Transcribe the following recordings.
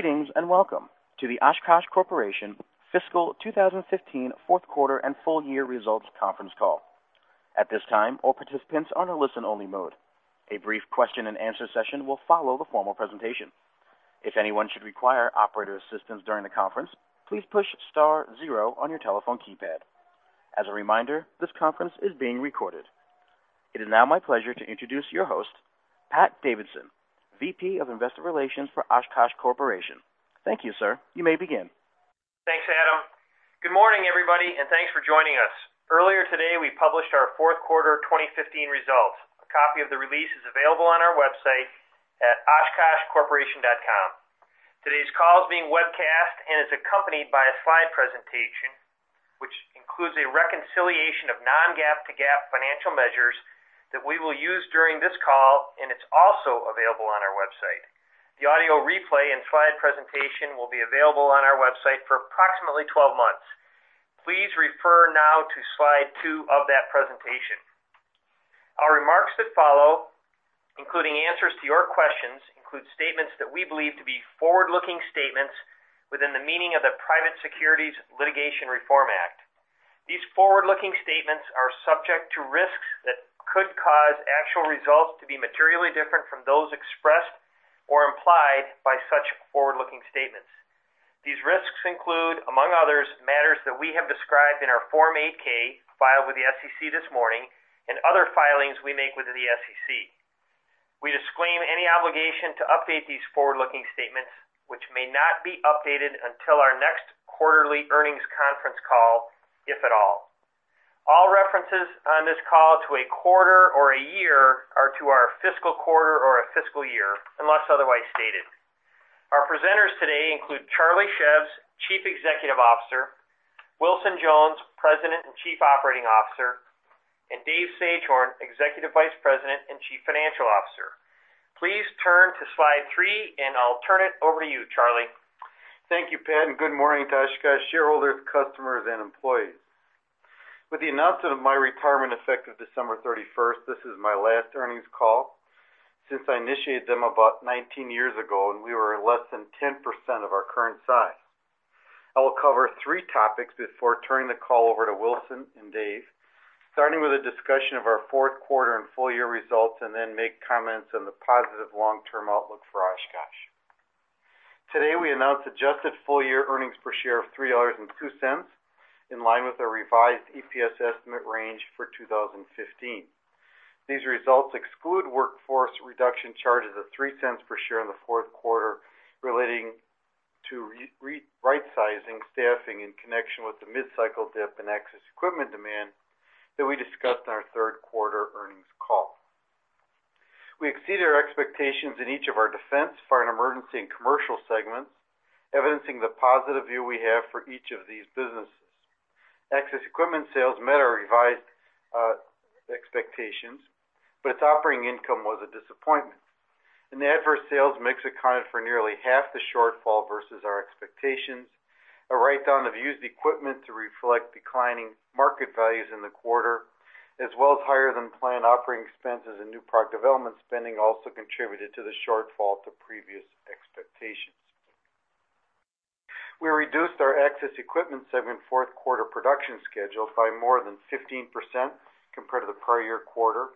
Greetings, and welcome to the Oshkosh Corporation Fiscal 2015 Fourth Quarter and Full Year Results Conference Call. At this time, all participants are in a listen-only mode. A brief question-and-answer session will follow the formal presentation. If anyone should require operator assistance during the conference, please push star zero on your telephone keypad. As a reminder, this conference is being recorded. It is now my pleasure to introduce your host, Pat Davidson, VP of Investor Relations for Oshkosh Corporation. Thank you, sir. You may begin. Thanks, Adam. Good morning, everybody, and thanks for joining us. Earlier today, we published our fourth quarter 2015 results. A copy of the release is available on our website at oshkoshcorporation.com. Today's call is being webcast and is accompanied by a slide presentation, which includes a reconciliation of non-GAAP to GAAP financial measures that we will use during this call, and it's also available on our website. The audio replay and slide presentation will be available on our website for approximately 12 months. Please refer now to slide two of that presentation. Our remarks that follow, including answers to your questions, include statements that we believe to be forward-looking statements within the meaning of the Private Securities Litigation Reform Act. These forward-looking statements are subject to risks that could cause actual results to be materially different from those expressed or implied by such forward-looking statements. These risks include, among others, matters that we have described in our Form 8-K, filed with the SEC this morning, and other filings we make with the SEC. We disclaim any obligation to update these forward-looking statements, which may not be updated until our next quarterly earnings conference call, if at all. All references on this call to a quarter or a year are to our fiscal quarter or a fiscal year, unless otherwise stated. Our presenters today include Charlie Szews, Chief Executive Officer, Wilson Jones, President and Chief Operating Officer, and Dave Sagehorn, Executive Vice President and Chief Financial Officer. Please turn to slide three, and I'll turn it over to you, Charlie. Thank you, Pat, and good morning to Oshkosh shareholders, customers, and employees. With the announcement of my retirement, effective December 31st, this is my last earnings call since I initiated them about 19 years ago, and we were less than 10% of our current size. I will cover three topics before turning the call over to Wilson and Dave, starting with a discussion of our fourth quarter and full year results, and then make comments on the positive long-term outlook for Oshkosh. Today, we announced adjusted full-year earnings per share of $3.02, in line with our revised EPS estimate range for 2015. These results exclude workforce reduction charges of $0.03 per share in the fourth quarter, relating to right-sizing staffing in connection with the mid-cycle dip in Access Equipment demand that we discussed in our third quarter earnings call. We exceeded our expectations in each of our Defense, Fire & Emergency, and Commercial segments, evidencing the positive view we have for each of these businesses. Access equipment sales met our revised expectations, but its operating income was a disappointment. In the Access, sales mix accounted for nearly half the shortfall versus our expectations. A write-down of used equipment to reflect declining market values in the quarter, as well as higher-than-planned operating expenses and new product development spending, also contributed to the shortfall to previous expectations. We reduced our Access Equipment segment fourth quarter production schedule by more than 15% compared to the prior year quarter,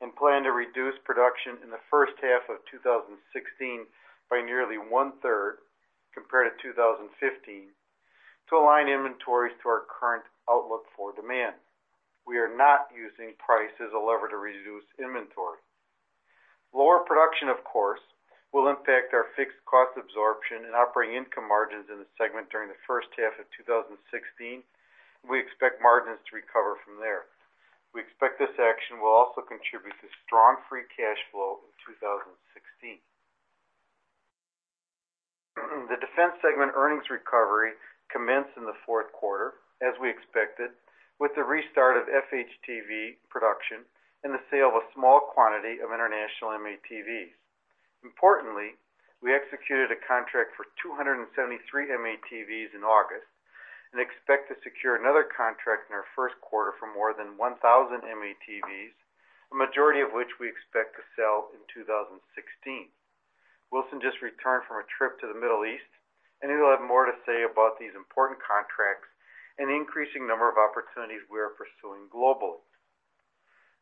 and plan to reduce production in the first half of 2016 by nearly 1/3 compared to 2015, to align inventories to our current outlook for demand. We are not using price as a lever to reduce inventory. Lower production, of course, will impact our fixed cost absorption and operating income margins in the segment during the first half of 2016. We expect margins to recover from there. We expect this action will also contribute to strong free cash flow in 2016. The Defense segment earnings recovery commenced in the fourth quarter, as we expected, with the restart of FHTV production and the sale of a small quantity of international M-ATV. Importantly, we executed a contract for 273 M-ATVs in August and expect to secure another contract in our first quarter for more than 1,000 M-ATVs, a majority of which we expect to sell in 2016. Wilson just returned from a trip to the Middle East, and he will have more to say about these important contracts and the increasing number of opportunities we are pursuing globally.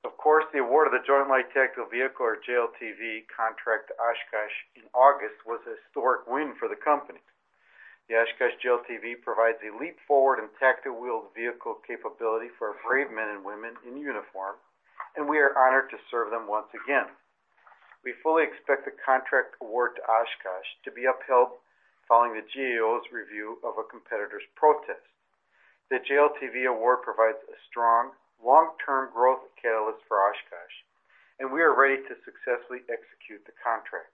Of course, the award of the Joint Light Tactical Vehicle, or JLTV, contract to Oshkosh in August was a historic win for the company. The Oshkosh JLTV provides a leap forward in tactical wheeled vehicle capability for our brave men and women in uniform, and we are honored to serve them once again. We fully expect the contract award to Oshkosh to be upheld following the GAO's review of a competitor's protest. The JLTV award provides a strong, long-term growth catalyst for Oshkosh, and we are ready to successfully execute the contract.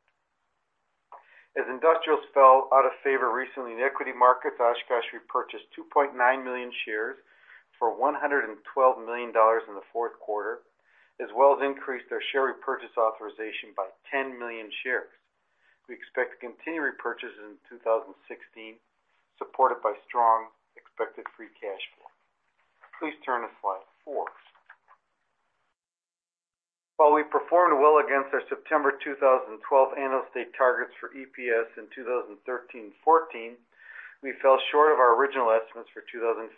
As industrials fell out of favor recently in the equity markets, Oshkosh repurchased 2.9 million shares for $112 million in the fourth quarter, as well as increased our share repurchase authorization by 10 million shares. We expect to continue repurchases in 2016, supported by strong expected free cash flow. Please turn to slide four. While we performed well against our September 2012 Analyst Day targets for EPS in 2013, 2014, we fell short of our original estimates for 2015.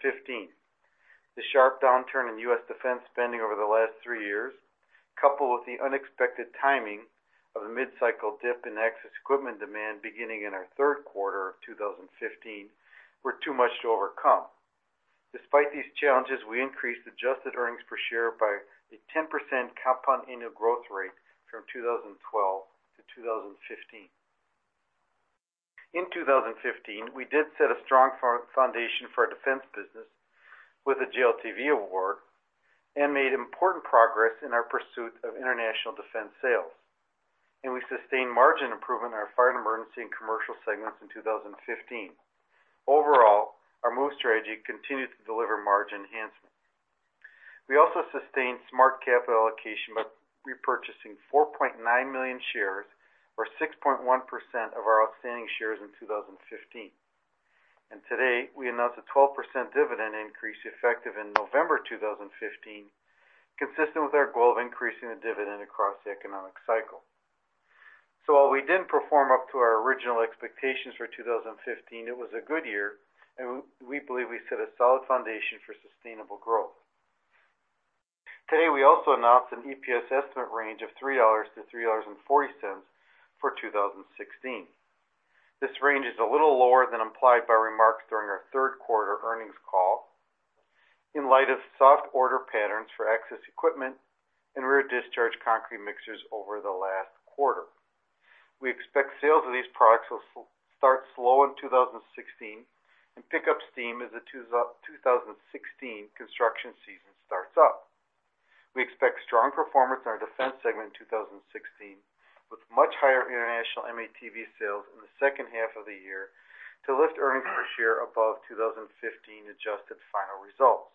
The sharp downturn in U.S. defense spending over the last three years, coupled with the unexpected timing of the mid-cycle dip in Access Equipment demand beginning in our third quarter of 2015, were too much to overcome. Despite these challenges, we increased adjusted earnings per share by a 10% compound annual growth rate from 2012 to 2015. In 2015, we did set a strong foundation for our Defense business with a JLTV award and made important progress in our pursuit of international defense sales, and we sustained margin improvement in our Fire & Emergency and Commercial segments in 2015. Overall, our MOVE strategy continued to deliver margin enhancement. We also sustained smart capital allocation by repurchasing 4.9 million shares, or 6.1% of our outstanding shares in 2015. And today, we announced a 12% dividend increase, effective in November 2015, consistent with our goal of increasing the dividend across the economic cycle. So while we didn't perform up to our original expectations for 2015, it was a good year, and we, we believe we set a solid foundation for sustainable growth. Today, we also announced an EPS estimate range of $3-$3.40 for 2016. This range is a little lower than implied by remarks during our third quarter earnings call. In light of soft order patterns for Access Equipment and rear discharge concrete mixers over the last quarter. We expect sales of these products will start slow in 2016 and pick up steam as the 2016 construction season starts up. We expect strong performance in our Defense segment in 2016, with much higher international M-ATV sales in the second half of the year to lift earnings per share above 2015 adjusted final results.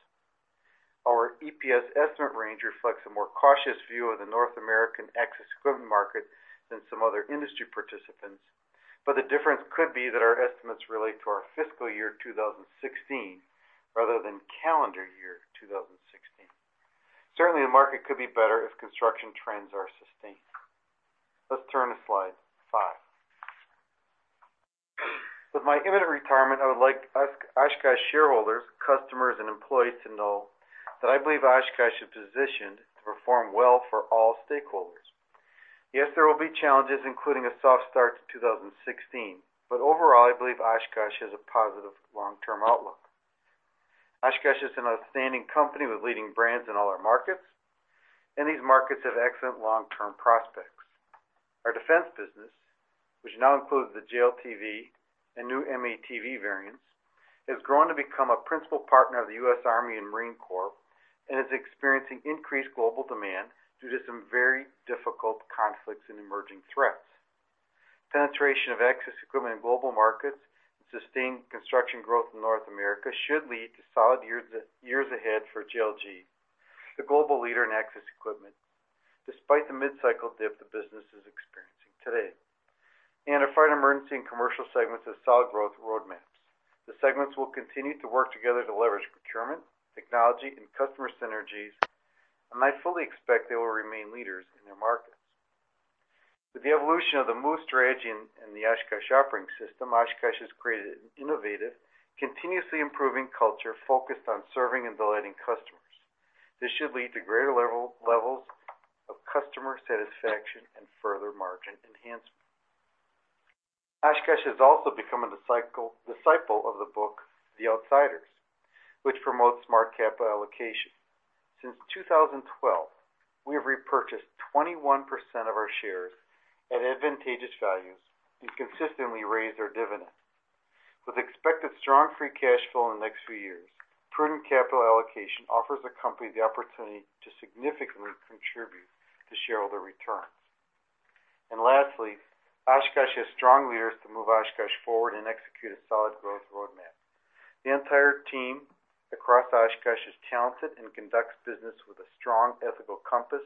Our EPS estimate range reflects a more cautious view of the North American Access Equipment market than some other industry participants, but the difference could be that our estimates relate to our fiscal year, 2016, rather than calendar year, 2016. Certainly, the market could be better if construction trends are sustained. Let's turn to slide five. With my imminent retirement, I would like to ask Oshkosh shareholders, customers, and employees to know that I believe Oshkosh is positioned to perform well for all stakeholders. Yes, there will be challenges, including a soft start to 2016, but overall, I believe Oshkosh has a positive long-term outlook. Oshkosh is an outstanding company with leading brands in all our markets, and these markets have excellent long-term prospects. Our defense business, which now includes the JLTV and new M-ATV variants, has grown to become a principal partner of the U.S. Army and U.S. Marine Corps and is experiencing increased global demand due to some very difficult conflicts and emerging threats. Penetration of Access Equipment in global markets and sustained construction growth in North America should lead to solid years, years ahead for JLG, the global leader in Access Equipment, despite the mid-cycle dip the business is experiencing today. Our fire, emergency, and commercial segments have solid growth roadmaps. The segments will continue to work together to leverage procurement, technology, and customer synergies, and I fully expect they will remain leaders in their markets. With the evolution of the MOVE Strategy and the Oshkosh Operating System, Oshkosh has created an innovative, continuously improving culture focused on serving and delighting customers. This should lead to greater levels of customer satisfaction and further margin enhancement. Oshkosh has also become a disciple of the book, The Outsiders, which promotes smart capital allocation. Since 2012, we have repurchased 21% of our shares at advantageous values and consistently raised our dividend. With expected strong free cash flow in the next few years, prudent capital allocation offers the company the opportunity to significantly contribute to shareholder returns. And lastly, Oshkosh has strong leaders to move Oshkosh forward and execute a solid growth roadmap. The entire team across Oshkosh is talented and conducts business with a strong ethical compass.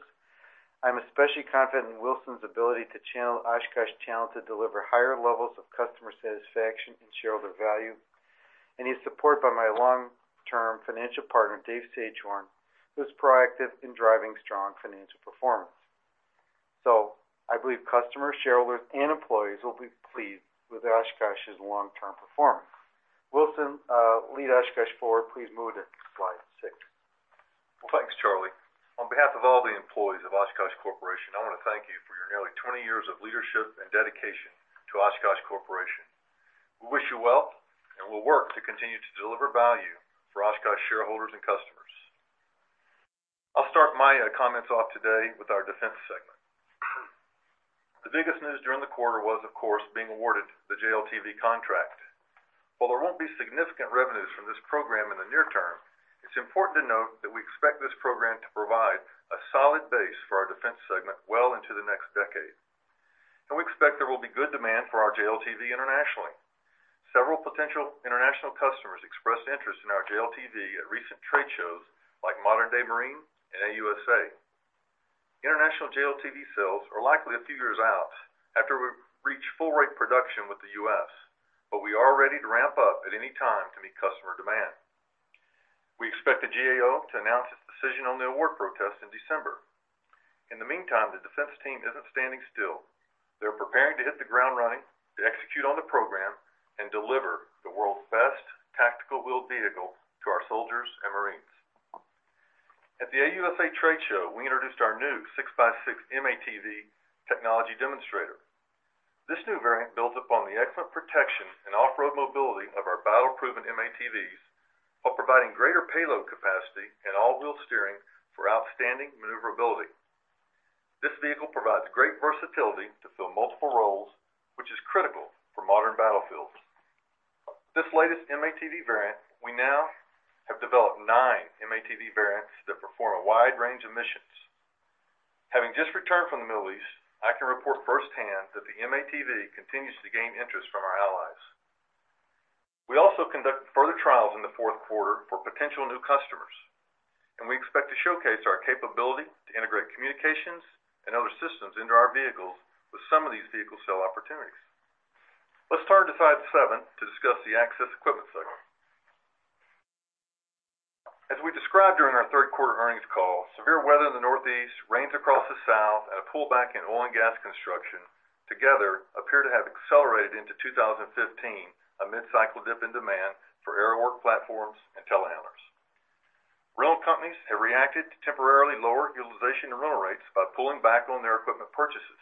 I'm especially confident in Wilson's ability to channel Oshkosh's talent to deliver higher levels of customer satisfaction and shareholder value, and he's supported by my long-term financial partner, Dave Sagehorn, who's proactive in driving strong financial performance. I believe customers, shareholders, and employees will be pleased with Oshkosh's long-term performance. Wilson, lead Oshkosh forward. Please move to slide six. Well, thanks, Charlie. On behalf of all the employees of Oshkosh Corporation, I want to thank you for your nearly 20 years of leadership and dedication to Oshkosh Corporation. We wish you well, and we'll work to continue to deliver value for Oshkosh shareholders and customers. I'll start my comments off today with our Defense segment. The biggest news during the quarter was, of course, being awarded the JLTV contract. While there won't be significant revenues from this program in the near term, it's important to note that we expect this program to provide a solid base for our Defense segment well into the next decade. And we expect there will be good demand for our JLTV internationally. Several potential international customers expressed interest in our JLTV at recent trade shows, like Modern Day Marine and AUSA. International JLTV sales are likely a few years out after we've reached full rate production with the U.S., but we are ready to ramp up at any time to meet customer demand. We expect the GAO to announce its decision on the award protest in December. In the meantime, the defense team isn't standing still. They're preparing to hit the ground running, to execute on the program, and deliver the world's best tactical wheeled vehicle to our soldiers and Marines. At the AUSA trade show, we introduced our new 6x6 M-ATV technology demonstrator. This new variant builds upon the excellent protection and off-road mobility of our battle-proven M-ATVs, while providing greater payload capacity and all-wheel steering for outstanding maneuverability. This vehicle provides great versatility to fill multiple roles, which is critical for modern battlefields. This latest M-ATV variant, we now have developed nine M-ATV variants that perform a wide range of missions. Having just returned from the Middle East, I can report firsthand that the M-ATV continues to gain interest from our allies. We also conduct further trials in the fourth quarter for potential new customers, and we expect to showcase our capability to integrate communications and other systems into our vehicles with some of these vehicle sale opportunities. Let's turn to slide seven to discuss the Access Equipment segment. As we described during our third quarter earnings call, severe weather in the Northeast, rains across the South, and a pullback in oil and gas construction together appear to have accelerated into 2015, a mid-cycle dip in demand for aerial work platforms and telehandlers. Rental companies have reacted to temporarily lower utilization and rental rates by pulling back on their equipment purchases.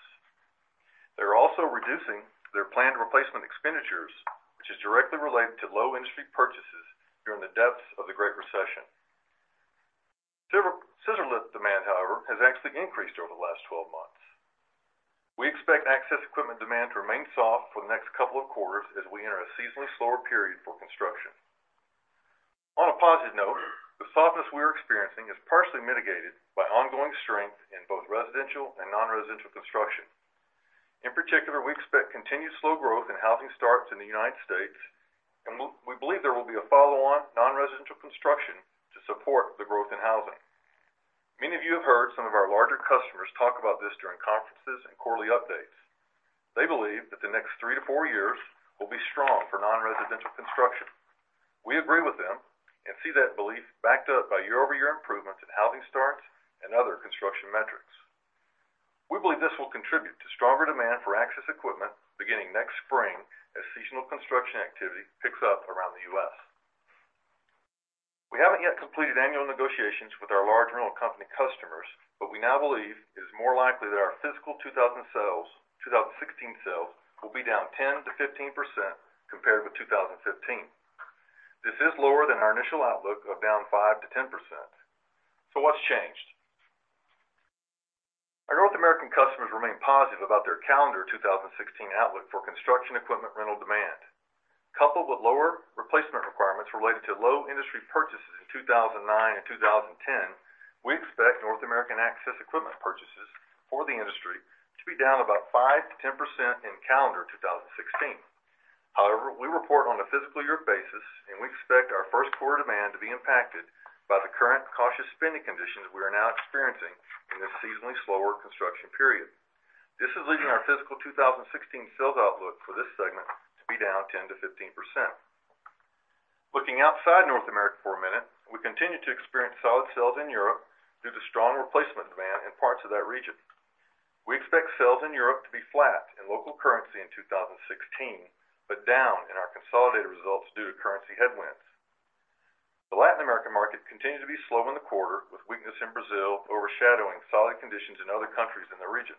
They're also reducing their planned replacement expenditures, which is directly related to low industry purchases during the depths of the Great Recession. Scissor lift demand, however, has actually increased over the last 12 months. We expect Access Equipment demand to remain soft for the next couple of quarters as we enter a seasonally slower period for construction. On a positive note, the softness we are experiencing is partially mitigated by ongoing strength in both residential and non-residential construction. In particular, we expect continued slow growth in housing starts in the United States, and we believe there will be a follow-on, non-residential construction to support the growth in housing. Many of you have heard some of our larger customers talk about this during conferences and quarterly updates. They believe that the next 3-4 years will be strong for non-residential construction. We agree with them and see that belief backed up by year-over-year improvements in housing starts and other construction metrics. We believe this will contribute to stronger demand for Access Equipment beginning next spring, as seasonal construction activity picks up around the U.S. We haven't yet completed annual negotiations with our large rental company customers, but we now believe it is more likely that our fiscal 2016 sales will be down 10%-15% compared with 2015. This is lower than our initial outlook of down 5%-10%. So what's changed? Our North American customers remain positive about their calendar 2016 outlook for construction equipment rental demand. Coupled with lower replacement requirements related to low industry purchases in 2009 and 2010, we expect North American Access Equipment purchases for the industry to be down about 5%-10% in calendar 2016. However, we report on a fiscal year basis, and we expect our first quarter demand to be impacted by the current cautious spending conditions we are now experiencing in this seasonally slower construction period. This is leading our fiscal 2016 sales outlook for this segment to be down 10%-15%. Looking outside North America for a minute, we continue to experience solid sales in Europe due to strong replacement demand in parts of that region. We expect sales in Europe to be flat in local currency in 2016, but down in our consolidated results due to currency headwinds. The Latin American market continued to be slow in the quarter, with weakness in Brazil overshadowing solid conditions in other countries in the region.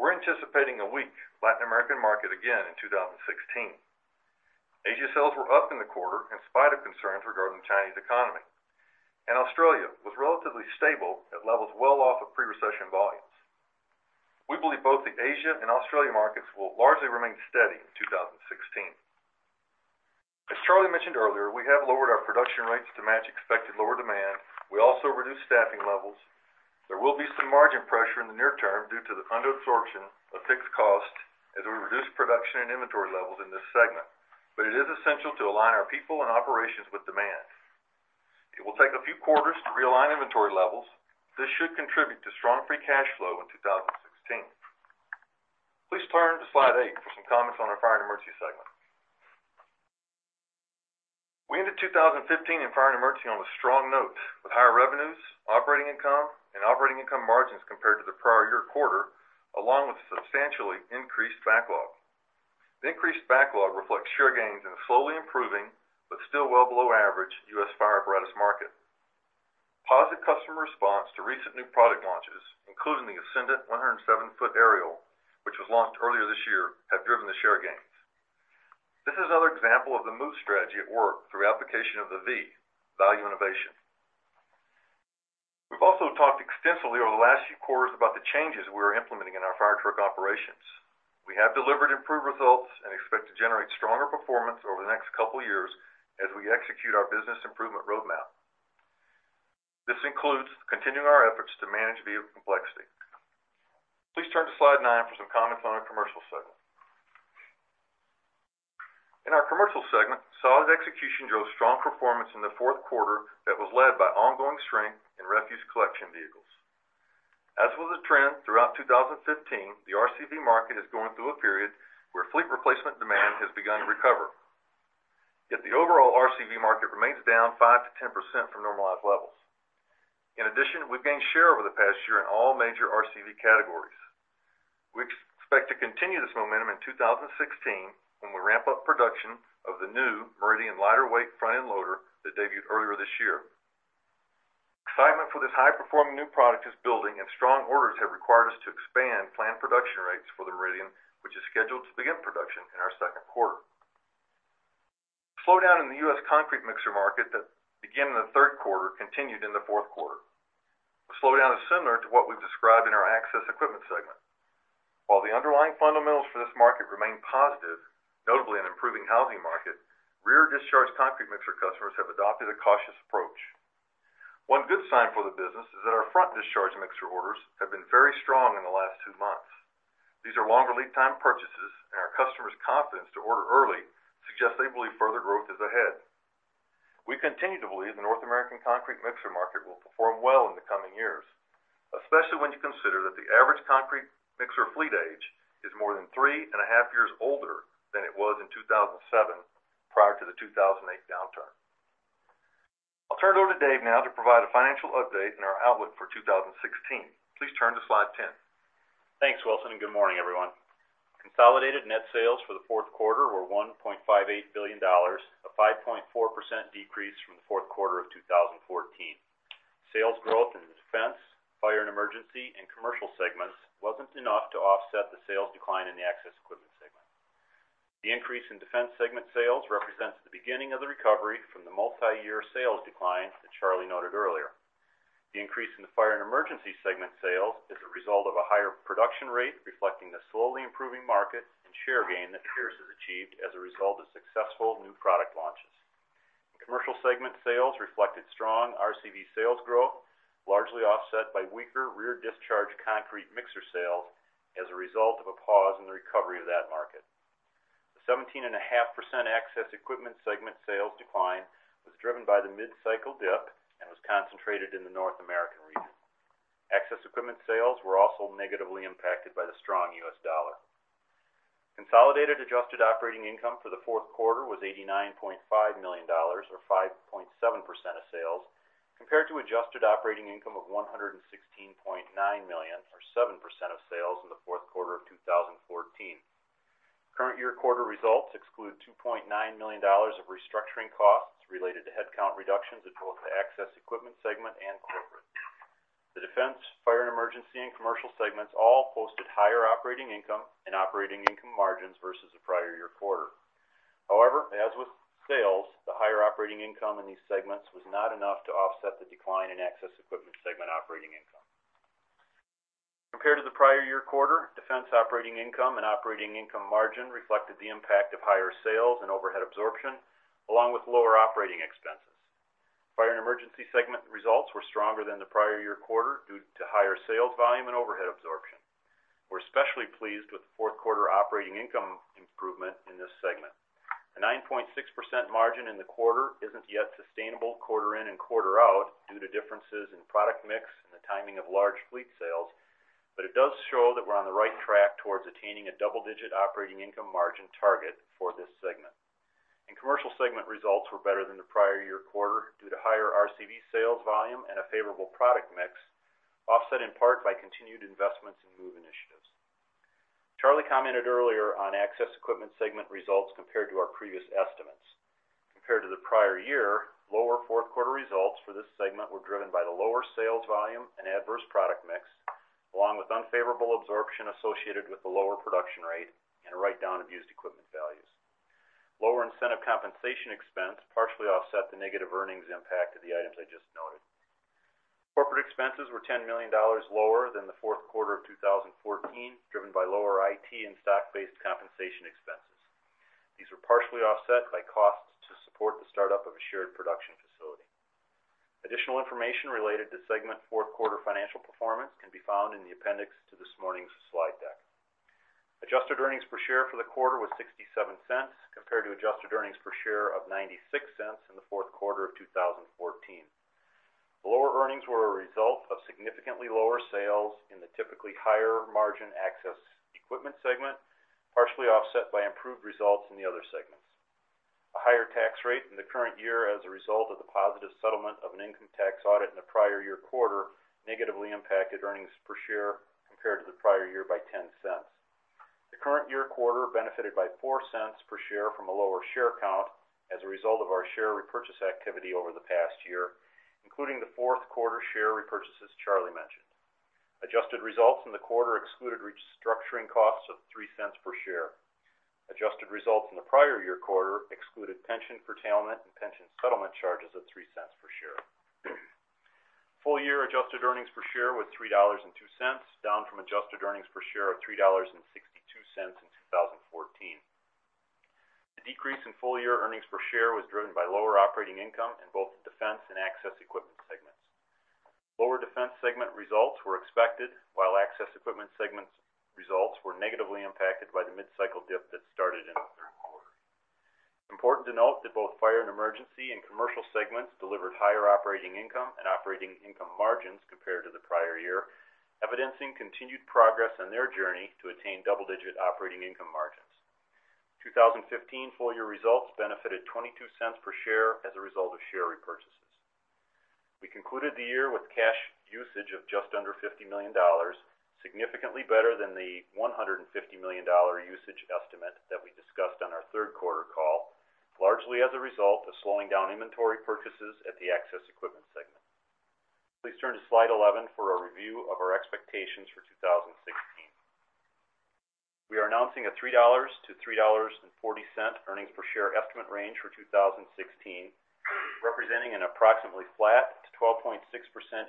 We're anticipating a weak Latin American market again in 2016. Asia sales were up in the quarter in spite of concerns regarding the Chinese economy, and Australia was relatively stable at levels well off of pre-recession volumes. We believe both the Asia and Australia markets will largely remain steady in 2016. As Charlie mentioned earlier, we have lowered our production rates to match expected lower demand. We also reduced staffing levels. There will be some margin pressure in the near term due to the under absorption of fixed costs as we reduce production and inventory levels in this segment, but it is essential to align our people and operations with demand. It will take a few quarters to realign inventory levels. This should contribute to strong free cash flow in 2016. Please turn to slide eight for some comments on our Fire & Emergency segment. We ended 2015 in Fire & Emergency on a strong note, with higher revenues, operating income, and operating income margins compared to the prior year quarter, along with substantially increased backlog. The increased backlog reflects share gains in a slowly improving, but still well below average, U.S. fire apparatus market. Positive customer response to recent new product launches, including the Ascendant 107-foot aerial, which was launched earlier this year, have driven the share gains. This is another example of the MOVE strategy at work through application of the V, Value Innovation. We've also talked extensively over the last few quarters about the changes we are implementing in our fire truck operations. We have delivered improved results and expect to generate stronger performance over the next couple of years as we execute our business improvement roadmap. This includes continuing our efforts to manage vehicle complexity. Please turn to slide nine for some comments on our Commercial segment. In our Commercial segment, solid execution drove strong performance in the fourth quarter that was led by ongoing strength in refuse collection vehicles. As was the trend throughout 2015, the RCV market is going through a period where fleet replacement demand has begun to recover, yet the overall RCV market remains down 5%-10% from normalized levels. In addition, we've gained share over the past year in all major RCV categories. We expect to continue this momentum in 2016, when we ramp up production of the new Meridian lighter weight front-end loader that debuted earlier this year. Excitement for this high-performing new product is building, and strong orders have required us to expand planned production rates for the Meridian, which is scheduled to begin production in our second quarter. Slowdown in the U.S. concrete mixer market that began in the third quarter, continued in the fourth quarter. The slowdown is similar to what we've described in our Access Equipment segment. While the underlying fundamentals for this market remain positive, notably an improving housing market, rear discharge concrete mixer customers have adopted a cautious approach. One good sign for the business is that our front discharge mixer orders have been very strong in the last two months. These are longer lead time purchases, and our customers' confidence to order early suggests they believe further growth is ahead. We continue to believe the North American concrete mixer market will perform well in the coming years, especially when you consider that the average concrete mixer fleet age is more than 3.5 years older than it was in 2007, prior to the 2008 downturn. I'll turn it over to Dave now to provide a financial update and our outlook for 2016. Please turn to slide 10. Thanks, Wilson, and good morning, everyone. Consolidated net sales for the fourth quarter were $1.58 billion, a 5.4% decrease from the fourth quarter of 2014. Sales growth in the Defense, Fire & Emergency, and Commercial segments wasn't enough to offset the sales decline in the Access Equipment segment. The increase in Defense segment sales represents the beginning of the recovery from the multi-year sales decline that Charlie noted earlier. The increase in the Fire & Emergency segment sales is a result of a higher production rate, reflecting the slowly improving market and share gain that Pierce has achieved as a result of successful new product launches. Commercial segment sales reflected strong RCV sales growth, largely offset by weaker rear discharge concrete mixer sales as a result of a pause in the recovery of that market. 17.5% Access Equipment segment sales decline was driven by the mid-cycle dip and was concentrated in the North American region. Access equipment sales were also negatively impacted by the strong U.S. dollar. Consolidated adjusted operating income for the fourth quarter was $89.5 million, or 5.7% of sales, compared to adjusted operating income of $116.9 million, or 7% of sales, in the fourth quarter of 2014. Current year quarter results exclude $2.9 million of restructuring costs related to headcount reductions in both the Access Equipment segment and corporate. The Defense, Fire & Emergency, and Commercial segments all posted higher operating income and operating income margins versus the prior year quarter. However, as with sales, the higher operating income in these segments was not enough to offset the decline in Access Equipment segment operating income. Compared to the prior year quarter, defense operating income and operating income margin reflected the impact of higher sales and overhead absorption, along with lower operating expenses. Fire & Emergency segment results were stronger than the prior year quarter due to higher sales volume and overhead absorption. We're especially pleased with the fourth quarter operating income improvement in this segment. A 9.6% margin in the quarter isn't yet sustainable quarter in and quarter out, due to differences in product mix and the timing of large fleet sales, but it does show that we're on the right track towards attaining a double-digit operating income margin target for this segment. Commercial segment results were better than the prior year quarter due to higher RCV sales volume and a favorable product mix, offset in part by continued investments in MOVE initiatives. Charlie commented earlier on Access Equipment segment results compared to our previous estimates. Compared to the prior year, lower fourth quarter results for this segment were driven by the lower sales volume and adverse product mix, along with unfavorable absorption associated with the lower production rate and a write-down of used equipment values. Lower incentive compensation expense partially offset the negative earnings impact of the items I just noted. Corporate expenses were $10 million lower than the fourth quarter of 2014, driven by lower IT and stock-based compensation expenses. These were partially offset by costs to support the startup of a shared production facility. Additional information related to segment fourth quarter financial performance can be found in the appendix to this morning's slide deck. Adjusted earnings per share for the quarter was $0.67, compared to adjusted earnings per share of $0.96 in the fourth quarter of 2014. Lower earnings were a result of significantly lower sales in the typically higher margin Access Equipment segment, partially offset by improved results in the other segments. A higher tax rate in the current year as a result of the positive settlement of an income tax audit in the prior year quarter, negatively impacted earnings per share compared to the prior year by $0.10. The current year quarter benefited by $0.04 per share from a lower share count as a result of our share repurchase activity over the past year, including the fourth quarter share repurchases Charlie mentioned. Adjusted results in the quarter excluded restructuring costs of $0.03 per share. Adjusted results in the prior year quarter excluded pension curtailment and pension settlement charges of $0.03 per share. Full year adjusted earnings per share was $3.02, down from adjusted earnings per share of $3.62 in 2014. The decrease in full-year earnings per share was driven by lower operating income in both the Defense and Access Equipment segments. Lower Defense segment results were expected, while Access Equipment segments results were negatively impacted by the mid-cycle dip that started in the third quarter. Important to note that both Fire & Emergency and Commercial segments delivered higher operating income and operating income margins compared to the prior year, evidencing continued progress on their journey to attain double-digit operating income margins. 2015 full-year results benefited $0.22 per share as a result of share repurchases. We concluded the year with cash usage of just under $50 million, significantly better than the $150 million usage estimate that we discussed on our third quarter call, largely as a result of slowing down inventory purchases at the Access Equipment segment. Please turn to slide 11 for a review of our expectations for 2016. We are announcing a $3-$3.40 earnings per share estimate range for 2016, representing an approximately flat to 12.6%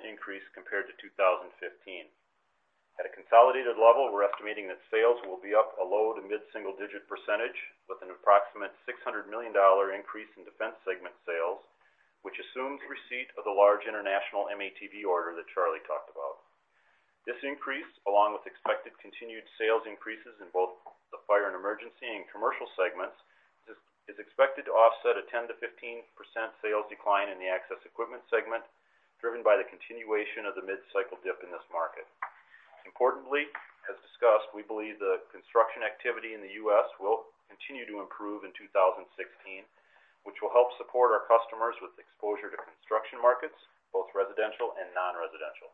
increase compared to 2015. At a consolidated level, we're estimating that sales will be up a low to mid single-digit percentage, with an approxmate $600 million increase in Defense segment sales, which assumes receipt of the large international M-ATV order that Charlie talked about. This increase, along with expected continued sales increases in both the Fire & Emergency and Commercial segments, is expected to offset a 10%-15% sales decline in the Access Equipment segment, driven by the continuation of the mid-cycle dip in this market. Importantly, as discussed, we believe the construction activity in the U.S. will continue to improve in 2016, which will help support our customers with exposure to construction markets, both residential and non-residential.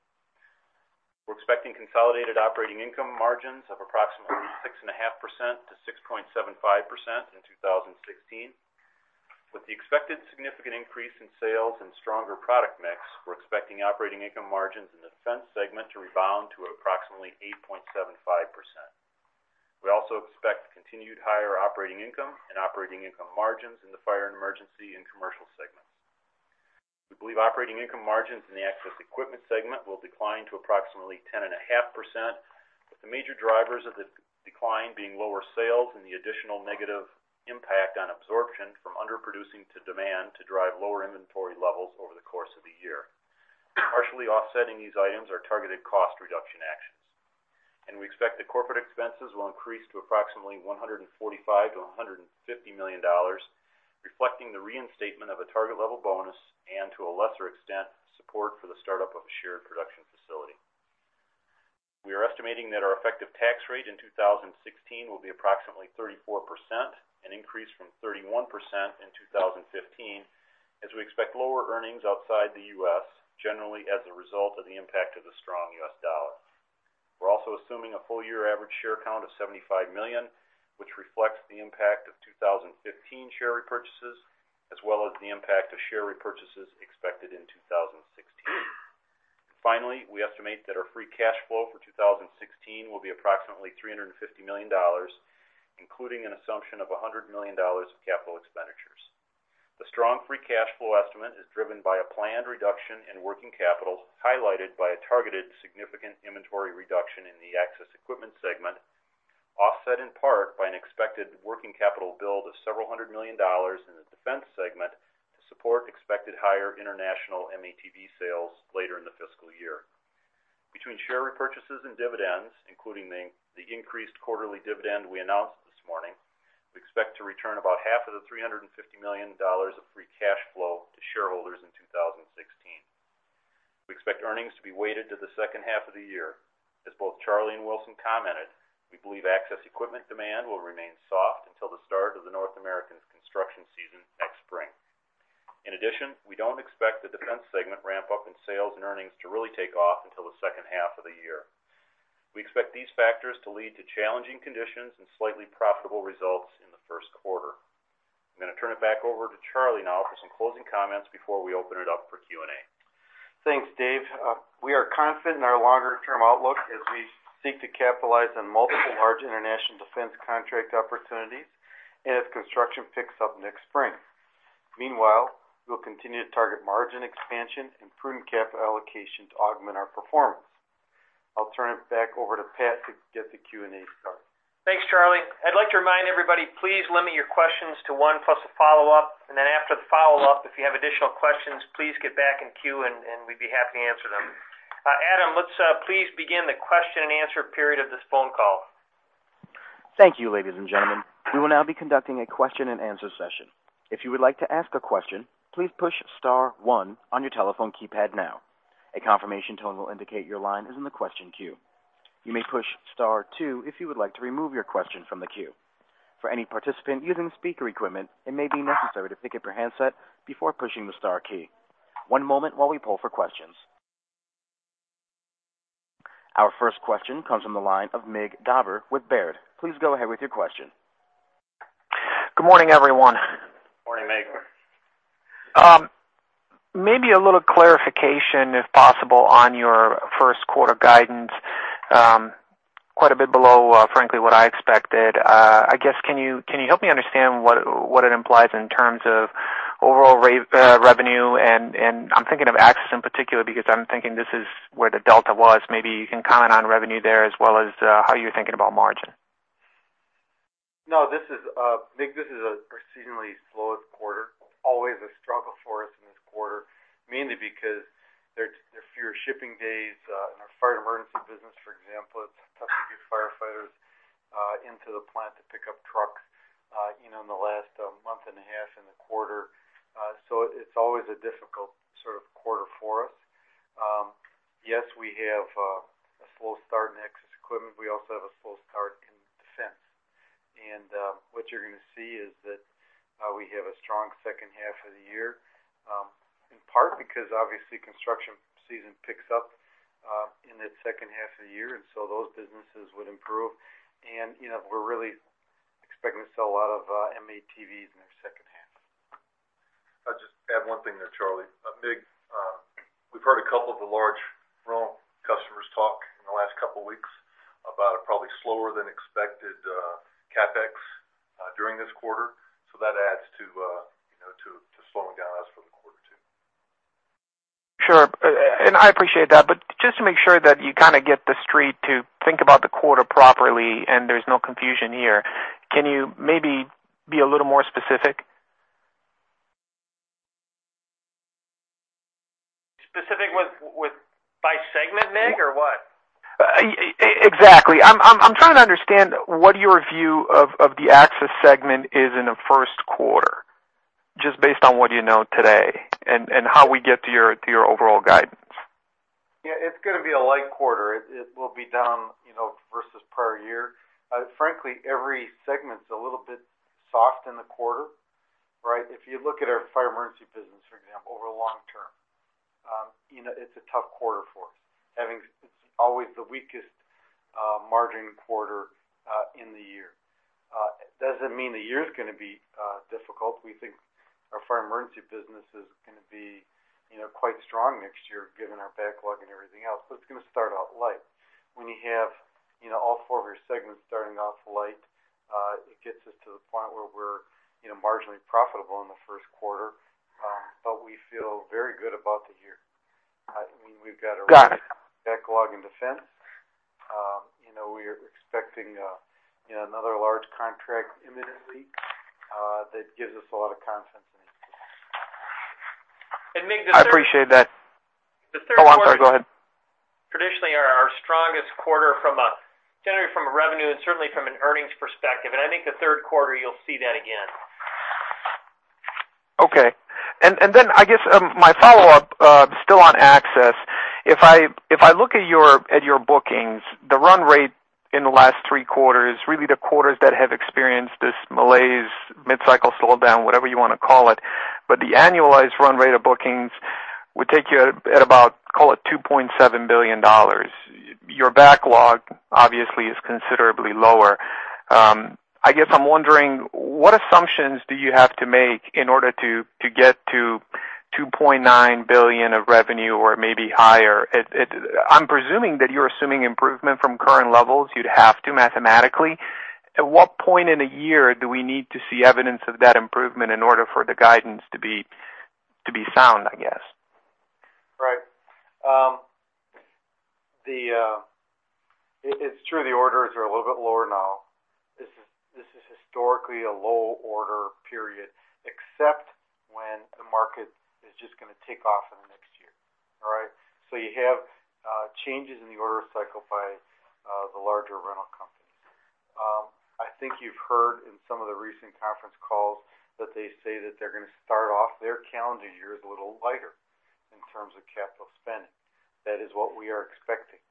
We're expecting consolidated operating income margins of approximately 6.5% to 6.75% in 2016. With the expected significant increase in sales and stronger product mix, we're expecting operating income margins in the Defense segment to rebound to approximately 8.75%. We also expect continued higher operating income and operating income margins in the Fire & Emergency and Commercial segments. We believe operating income margins in the Access Equipment segment will decline to approximately 10.5%, with the major drivers of the decline being lower sales and the additional negative impact on absorption from underproducing to demand to drive lower inventory levels over the course of the year. Partially offsetting these items are targeted cost reduction actions, and we expect the corporate expenses will increase to approximately $145 million-$150 million, reflecting the reinstatement of a target level bonus and, to a lesser extent, support for the startup of a shared production facility. We are estimating that our effective tax rate in 2016 will be approximately 34%, an increase from 31% in 2015, as we expect lower earnings outside the U.S., generally as a result of the impact of the strong U.S. dollar. We're also assuming a full-year average share count of 75 million, which reflects the impact of 2015 share repurchases, as well as the impact of share repurchases expected in 2016. Finally, we estimate that our free cash flow for 2016 will be approximately $350 million, including an assumption of $100 million of capital expenditures. The strong free cash flow estimate is driven by a planned reduction in working capital, highlighted by a targeted significant inventory reduction in the Access Equipment segment, offset in part by an expected working capital build of several hundred million dollars in the Defense segment to support expected higher international M-ATV sales later in the fiscal year. Between share repurchases and dividends, including the increased quarterly dividend we announced this morning, we expect to return about half of the $350 million of free cash flow to shareholders in 2016. We expect earnings to be weighted to the second half of the year. As both Charlie and Wilson commented, we believe Access Equipment demand will remain soft until the start of the North American construction season next spring. In addition, we don't expect the Defense segment ramp up in sales and earnings to really take off until the second half of the year. We expect these factors to lead to challenging conditions and slightly profitable results in the first quarter. I'm gonna turn it back over to Charlie now for some closing comments before we open it up for Q&A. Thanks, Dave. We are confident in our longer-term outlook as we seek to capitalize on multiple large international defense contract opportunities and as construction picks up next spring. Meanwhile, we'll continue to target margin expansion and prudent capital allocation to augment our performance. I'll turn it back over to Pat to get the Q&A started. Thanks, Charlie. I'd like to remind everybody, please limit your questions to one plus a follow-up, and then after the follow-up, if you have additional questions, please get back in queue, and we'd be happy to answer them. Adam, let's please begin the question and answer period of this phone call. Thank you, ladies and gentlemen. We will now be conducting a question-and-answer session. If you would like to ask a question, please push star one on your telephone keypad now. A confirmation tone will indicate your line is in the question queue. You may push star two if you would like to remove your question from the queue. For any participant using speaker equipment, it may be necessary to pick up your handset before pushing the star key. One moment while we pull for questions. Our first question comes from the line of Mig Dobre with Baird. Please go ahead with your question. Good morning, everyone. Morning, Mig. Maybe a little clarification, if possible, on your first quarter guidance. Quite a bit below, frankly, what I expected. I guess, can you help me understand what it implies in terms of overall revenue? And I'm thinking of Access in particular, because I'm thinking this is where the delta was. Maybe you can comment on revenue there as well as how you're thinking about margin? No, this is Mig, this is a seasonally slower quarter. It's always a struggle for us in this quarter, mainly because there are fewer shipping days. In our fire emergency business, for example, it's tough to get firefighters into the plant to pick up trucks, you know, in the last month and a half in the quarter. So it's always a difficult sort of quarter for us. Yes, we have a slow start in Access Equipment. We also have a slow start in Defense. And what you're gonna see is that we have a strong second half of the year, in part because obviously construction season picks up in the second half of the year, and so those businesses would improve. And you know, we're really expecting to sell a lot of M-ATVs in the second half. I'll just add one thing there, Charlie. A big, we've heard a couple of the large rental customers talk in the last couple of weeks about a probably slower than expected, CapEx, during this quarter. So that adds to, you know, to, to slowing down as for the quarter, too. Sure, and I appreciate that, but just to make sure that you kind of get the street to think about the quarter properly, and there's no confusion here, can you maybe be a little more specific? Specific with by segment, Mig, or what? Exactly. I'm trying to understand what your view of the Access segment is in the first quarter, just based on what you know today, and how we get to your overall guidance. Yeah, it's gonna be a light quarter. It, it will be down, you know, versus prior year. Frankly, every segment's a little bit soft in the quarter, right? If you look at our Fire Emergency business, for example, over the long term, you know, it's a tough quarter for us. It's always the weakest margin quarter in the year. It doesn't mean the year is gonna be difficult. We think our Fire Emergency business is gonna be, you know, quite strong next year, given our backlog and everything else, but it's gonna start out light. When you have, you know, all four of your segments starting off light, it gets us to the point where we're, you know, marginally profitable in the first quarter. But we feel very good about the year. I mean, we've got a- Got it. Backlog in Defense. You know, we are expecting, you know, another large contract imminently, that gives us a lot of confidence in it. Mig, the- I appreciate that. The third- Oh, I'm sorry. Go ahead. Traditionally, our strongest quarter, generally from a revenue and certainly from an earnings perspective, and I think the third quarter, you'll see that again. Okay. And then I guess my follow-up still on access. If I look at your bookings, the run rate in the last three quarters, really the quarters that have experienced this malaise, mid-cycle slowdown, whatever you want to call it, but the annualized run rate of bookings would take you at about, call it, $2.7 billion. Your backlog, obviously, is considerably lower. I guess I'm wondering, what assumptions do you have to make in order to get to $2.9 billion of revenue or maybe higher? I'm presuming that you're assuming improvement from current levels. You'd have to, mathematically. At what point in a year do we need to see evidence of that improvement in order for the guidance to be sound, I guess? Right. It’s true, the orders are a little bit lower now. This is historically a low order period, except when the market is just gonna take off in the next year. All right? So you have changes in the order cycle by the larger rental companies. I think you’ve heard in some of the recent conference calls that they say that they’re gonna start off their calendar year a little lighter in terms of capital spending. That is what we are expecting.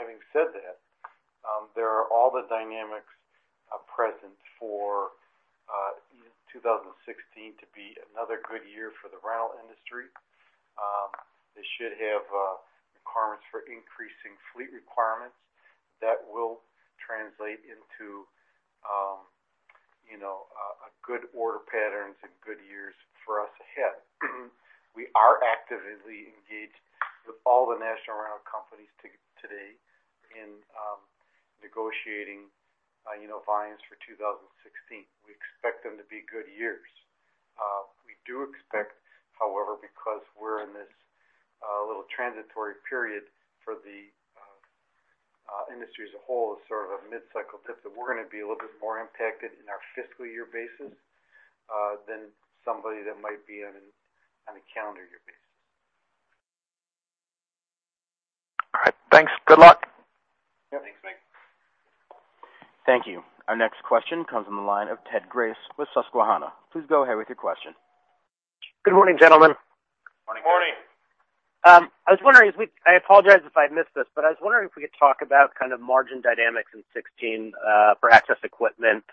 Having said that, there are all the dynamics present for 2016 to be another good year for the rental industry. They should have requirements for increasing fleet requirements that will translate into you know a good order patterns and good years for us ahead. We are actively engaged with all the national rental companies today in negotiating, you know, volumes for 2016. We expect them to be good years. We do expect, however, because we're in this little transitory period for the industry as a whole, sort of a mid-cycle dip, that we're gonna be a little bit more impacted in our fiscal year basis than somebody that might be on a calendar year basis. All right, thanks. Good luck. Yep. Thanks, Mig. Thank you. Our next question comes from the line of Ted Grace with Susquehanna. Please go ahead with your question. Good morning, gentlemen. Morning. Morning. I apologize if I missed this, but I was wondering if we could talk about kind of margin dynamics in 2016, for Access Equipment,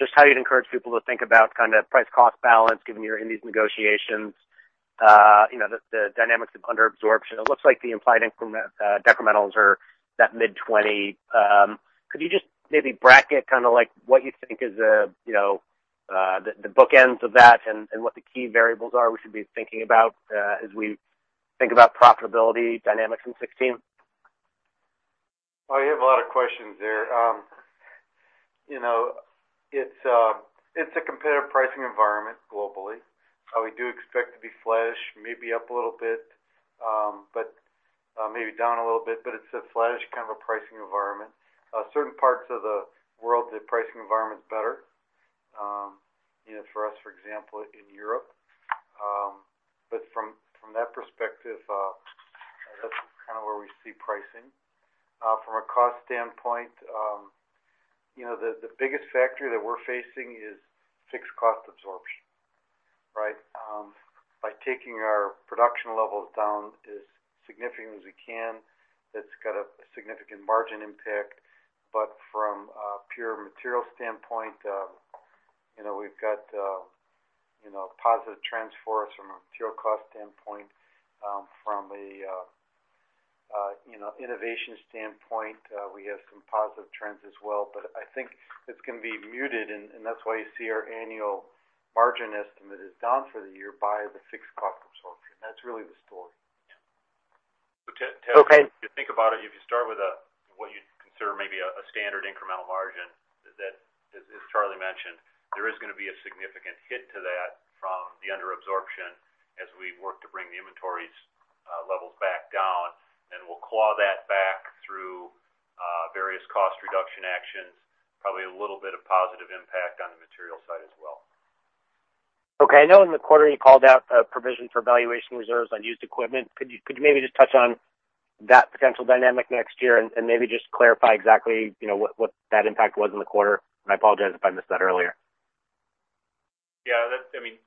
just how you'd encourage people to think about kind of price-cost balance, given you're in these negotiations, you know, the dynamics of under absorption. It looks like the implied increment, incrementals are that mid-20. Could you just maybe bracket kind of like what you think is the, you know, the bookends of that and, and what the key variables are we should be thinking about, as we think about profitability dynamics in 2016? Well, you have a lot of questions there. You know, it's a competitive pricing environment globally. We do expect to be flattish, maybe up a little bit, but maybe down a little bit, but it's a flattish kind of a pricing environment. Certain parts of the world, the pricing environment is better. You know, for us, for example, in Europe. But from that perspective, that's kind of where we see pricing. From a cost standpoint, you know, the biggest factor that we're facing is fixed cost absorption, right? By taking our production levels down as significantly as we can, that's got a significant margin impact. But from a pure material standpoint, you know, we've got you know, positive trends for us from a pure cost standpoint. From a, you know, innovation standpoint, we have some positive trends as well. But I think it's gonna be muted, and, and that's why you see our annual margin estimate is down for the year by the fixed cost absorption. That's really the story. Yeah. Okay. If you think about it, if you start with what you'd consider maybe a standard incremental margin, that, as Charlie mentioned, there is gonna be a significant hit to that from the under absorption as we work to bring the inventories levels back down. And we'll claw that back through various cost reduction actions, probably a little bit of positive impact on the material side as well. Okay. I know in the quarter you called out a provision for valuation reserves on used equipment. Could you maybe just touch on that potential dynamic next year and maybe just clarify exactly, you know, what that impact was in the quarter? I apologize if I missed that earlier. Yeah, I mean,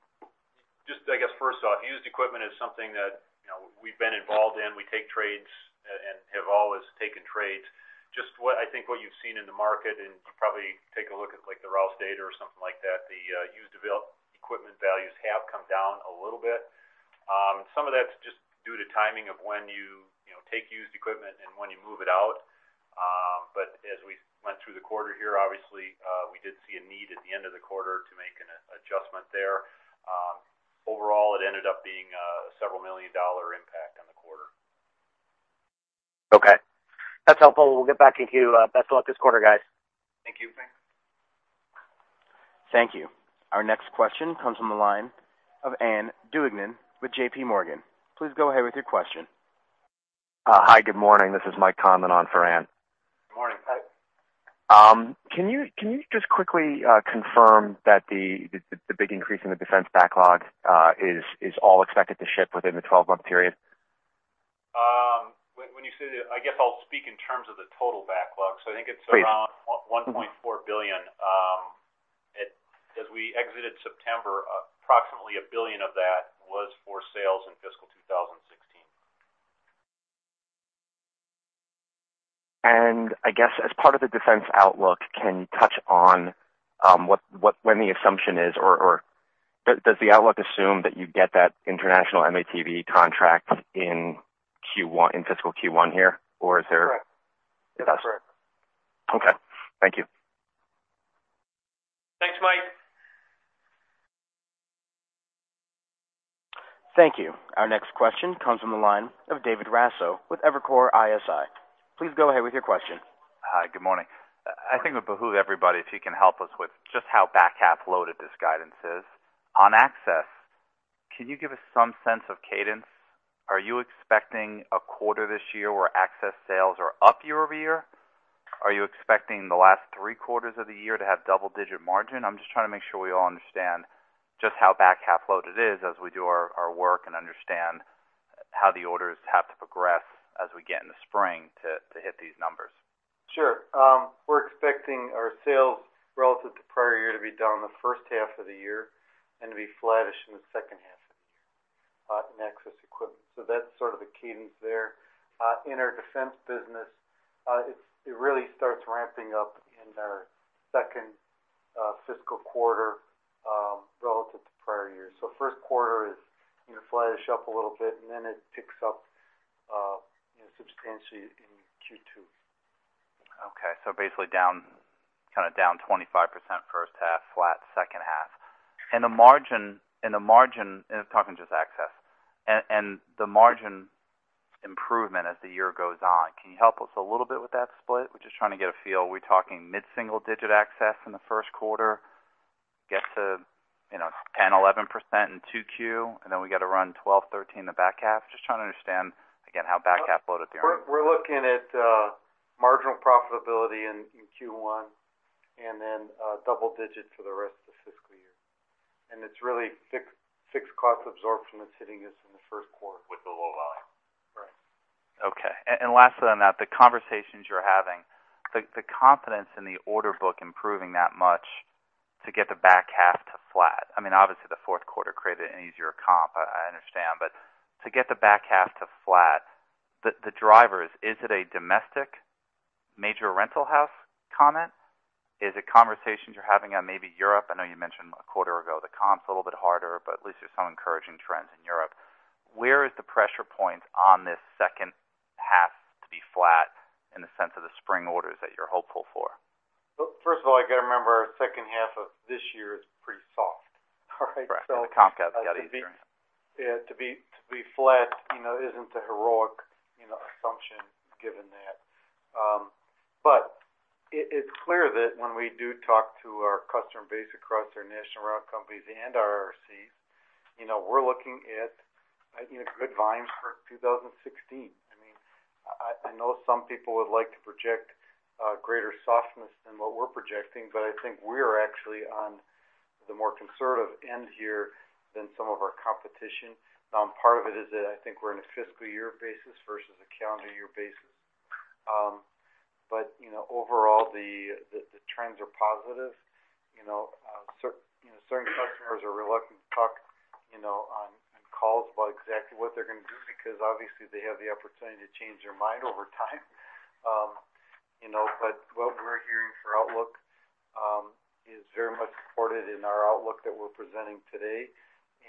just I guess, first off, used equipment is something that, you know, we've been involved in. We take trades and have always taken trades. Just what I think what you've seen in the market, and you probably take a look at, like, the Rouse data or something like that, the used equipment values have come down a little bit. Some of that's just due to timing of when you, you know, take used equipment and when you move it out. But as we went through the quarter here, obviously, we did see a need at the end of the quarter to make an adjustment there. Overall, it ended up being a several million dollar impact on the quarter. Okay. That's helpful. We'll get back to you. Best of luck this quarter, guys. Thank you. Thanks. Thank you. Our next question comes from the line of Ann Duignan with JPMorgan. Please go ahead with your question. Hi, good morning. This is Mike Conlon for Ann. Good morning. Can you just quickly confirm that the big increase in the Defense backlog is all expected to ship within the 12-month period? When you say that, I guess I'll speak in terms of the total backlog. Great. I think it's around $1.4 billion. It, as we exited September, approximately $1 billion of that was for sales in fiscal 2016. I guess as part of the Defense outlook, can you touch on when the assumption is, or does the outlook assume that you get that international M-ATV contract in Q1, in fiscal Q1 here? Or is there- Correct. Okay. That's correct. Okay. Thank you. Thanks, Mike. Thank you. Our next question comes from the line of David Raso with Evercore ISI. Please go ahead with your question. Hi, good morning. I think it would behove everybody if you can help us with just how back half loaded this guidance is. On access, can you give us some sense of cadence? Are you expecting a quarter this year where access sales are up year-over-year? Are you expecting the last three quarters of the year to have double-digit margin? I'm just trying to make sure we all understand just how back half loaded it is as we do our work and understand how the orders have to progress as we get in the spring to hit these numbers. Sure. We're expecting our sales relative to prior year to be down in the first half of the year and to be flattish in the second half of the year in Access Equipment. So that's sort of the cadence there. In our Defense business, it really starts ramping up in our second fiscal quarter relative to prior years. So first quarter is, you know, flattish up a little bit, and then it picks up, you know, substantially in Q2. Okay. So basically down, kind of down 25% first half, flat second half. And the margin, and I'm talking just access. And the margin improvement as the year goes on, can you help us a little bit with that split? We're just trying to get a feel. Are we talking mid single-digit access in the first quarter, get to, you know, 10%, 11% in 2Q, and then we get around 12%, 13% in the back half? Just trying to understand, again, how back half loaded they are. We're looking at marginal profitability in Q1, and then double digit for the rest of the fiscal year. And it's really fixed cost absorption that's hitting us in the first quarter. With the low volume. Right. Okay. And lastly on that, the conversations you're having, the confidence in the order book improving that much to get the back half to flat. I mean, obviously, the fourth quarter created an easier comp. I understand. But to get the back half to flat, the drivers—is it a domestic major rental house comment? Is it conversations you're having on maybe Europe? I know you mentioned a quarter ago, the comp's a little bit harder, but at least there's some encouraging trends in Europe. Where is the pressure point on this second half to be flat in the sense of the spring orders that you're hopeful for? Well, first of all, you gotta remember, our second half of this year is pretty soft. All right? Right, and the comp got easier. Yeah, to be flat, you know, isn't a heroic, you know, assumption given that. But it's clear that when we do talk to our customer base across our national rental companies and our IRCs, you know, we're looking at, you know, good vibes for 2016. I mean, I know some people would like to project greater softness than what we're projecting, but I think we're actually on the more conservative end here than some of our competition. Part of it is that I think we're in a fiscal year basis versus a calendar year basis. But, you know, overall, the trends are positive. You know, certain customers are reluctant to talk, you know, on calls about exactly what they're going to do because, obviously, they have the opportunity to change their mind over time. You know, but what we're hearing for outlook is very much supported in our outlook that we're presenting today.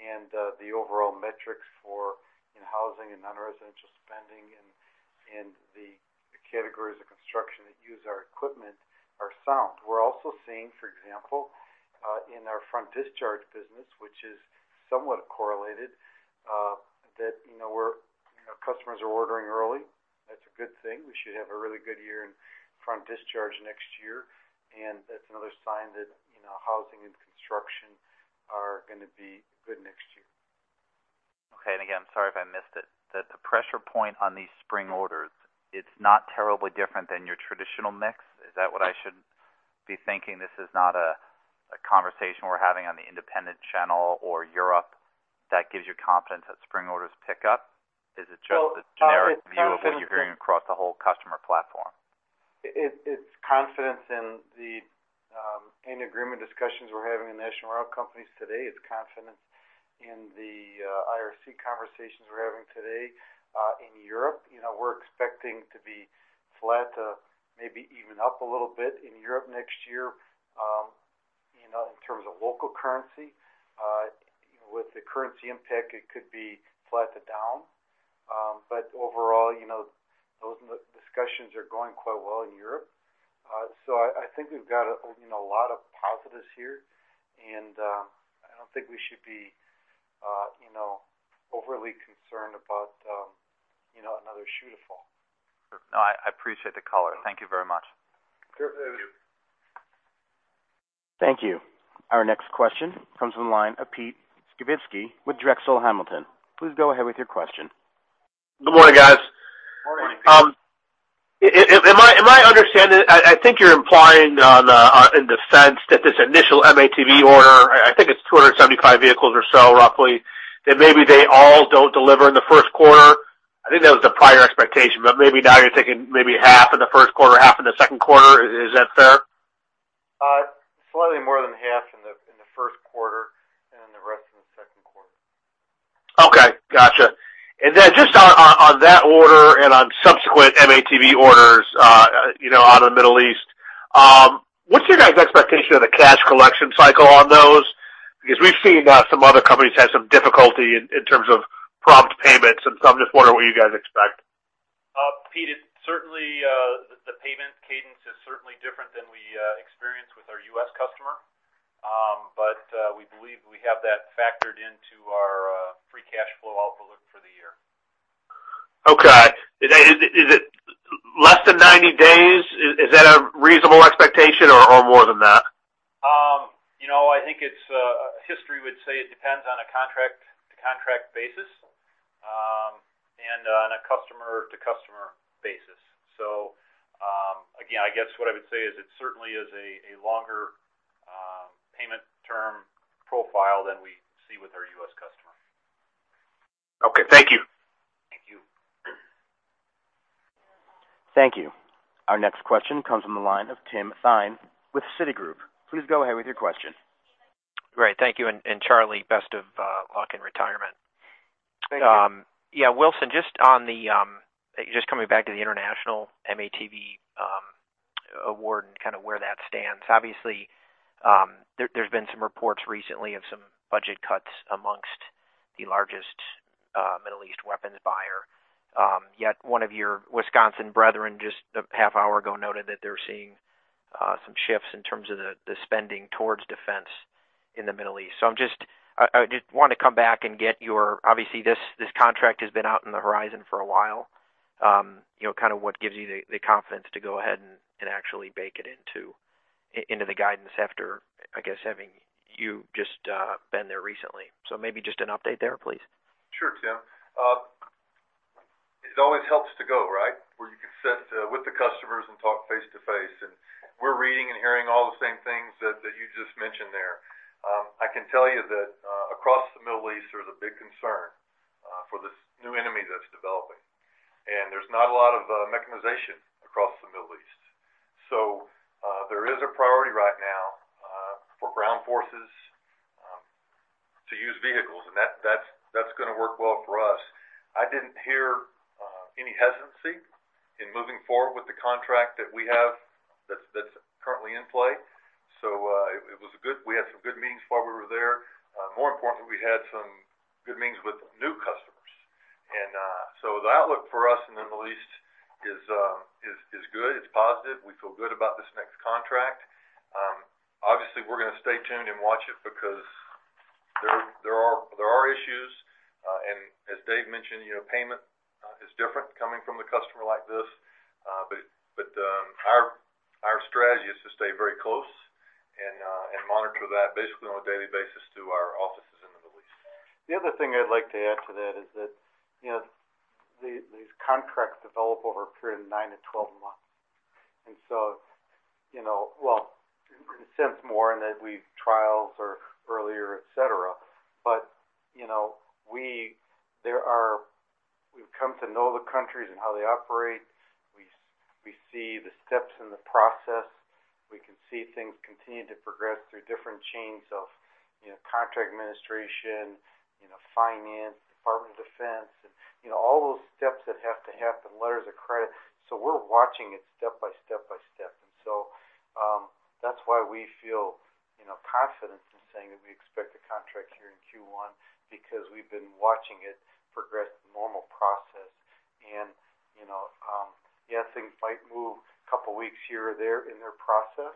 And the overall metrics for, in housing and non-residential spending and the categories of construction that use our equipment are sound. We're also seeing, for example, in our front discharge business, which is somewhat correlated, that, you know, we're, you know, customers are ordering early. That's a good thing. We should have a really good year in front discharge next year, and that's another sign that, you know, housing and construction are gonna be good next year. Okay. And again, I'm sorry if I missed it. That the pressure point on these spring orders, it's not terribly different than your traditional mix? Is that what I should be thinking? This is not a conversation we're having on the independent channel or Europe that gives you confidence that spring orders pick up. Is it just- Well, it's confidence in- The generic view of what you're hearing across the whole customer platform? It's confidence in the agreement discussions we're having in national rental companies today. It's confidence in the IRC conversations we're having today. In Europe, you know, we're expecting to be flat to maybe even up a little bit in Europe next year, you know, in terms of local currency. With the currency impact, it could be flat to down. But overall, you know, those discussions are going quite well in Europe. So I think we've got, you know, a lot of positives here, and I don't think we should be, you know, overly concerned about, you know, another shoe to fall. No, I appreciate the color. Thank you very much. Sure. Thank you. Thank you. Our next question comes from the line of Peter Skibitski with Drexel Hamilton. Please go ahead with your question. Good morning, guys. Good morning, Pete. Am I understanding, I think you're implying in the sense that this initial M-ATV order, I think it's 275 vehicles or so roughly, that maybe they all don't deliver in the first quarter. I think that was the prior expectation, but maybe now you're thinking maybe half in the first quarter, half in the second quarter. Is that fair? Slightly more than half in the first quarter and then the rest in the second quarter. Okay, gotcha. And then just on that order and on subsequent M-ATV orders, you know, out of the Middle East, what's your guys' expectation of the cash collection cycle on those? Because we've seen some other companies have some difficulty in terms of prompt payments, and so I'm just wondering what you guys expect. Pete, it's certainly the payment cadence is certainly different than we experienced with our U.S. customer. But we believe we have that factored into our free cash flow outlook for the year. Okay. Is it less than 90 days? Is that a reasonable expectation or more than that? You know, I think it's history would say it depends on a contract-to-contract basis, and on a customer-to-customer basis. So, again, I guess what I would say is it certainly is a longer payment term profile than we see with our U.S. customer. Okay. Thank you. Thank you. Thank you. Our next question comes from the line of Tim Thein with Citigroup. Please go ahead with your question. Great, thank you, and Charlie, best of luck in retirement. Thank you. Yeah, Wilson, just on the, just coming back to the international M-ATV award and kind of where that stands. Obviously, there, there's been some reports recently of some budget cuts amongst the largest Middle East weapons buyer. Yet one of your Wisconsin brethren, just a half hour ago, noted that they're seeing some shifts in terms of the spending towards Defense in the Middle East. So I'm just—I just want to come back and get your, obviously, this contract has been out in the horizon for a while. You know, kind of what gives you the confidence to go ahead and actually bake it into the guidance after, I guess, having just been there recently. So maybe just an update there, please? Sure, Tim. It always helps to go, right? Where you can sit with the customers and talk face to face, and we're reading and hearing all the same things that you just mentioned there. I can tell you that across the Middle East, there's a big concern for this new enemy that's developing, and there's not a lot of mechanization across the Middle East. So there is a priority right now for ground forces to use vehicles, and that's gonna work well for us. I didn't hear any hesitancy in moving forward with the contract that we have that's currently in play. So it was a good—we had some good meetings while we were there. More importantly, we had some good meetings with new customers. The outlook for us in the Middle East is good. It's positive. We feel good about this next contract. Obviously, we're gonna stay tuned and watch it because- There are issues, and as Dave mentioned, you know, payment is different coming from a customer like this. But our strategy is to stay very close and monitor that basically on a daily basis through our offices in the Middle East. The other thing I'd like to add to that is that, you know, these contracts develop over a period of 9-12 months. And so, you know, well, since more and as we've trials are earlier, et cetera. But, you know, we've come to know the countries and how they operate. We see the steps in the process. We can see things continuing to progress through different chains of, you know, contract administration, you know, Finance, Department of Defense, and, you know, all those steps that have to happen, letters of credit. So we're watching it step by step by step. And so, that's why we feel, you know, confident in saying that we expect a contract here in Q1, because we've been watching it progress the normal process. You know, yes, things might move a couple of weeks here or there in their process,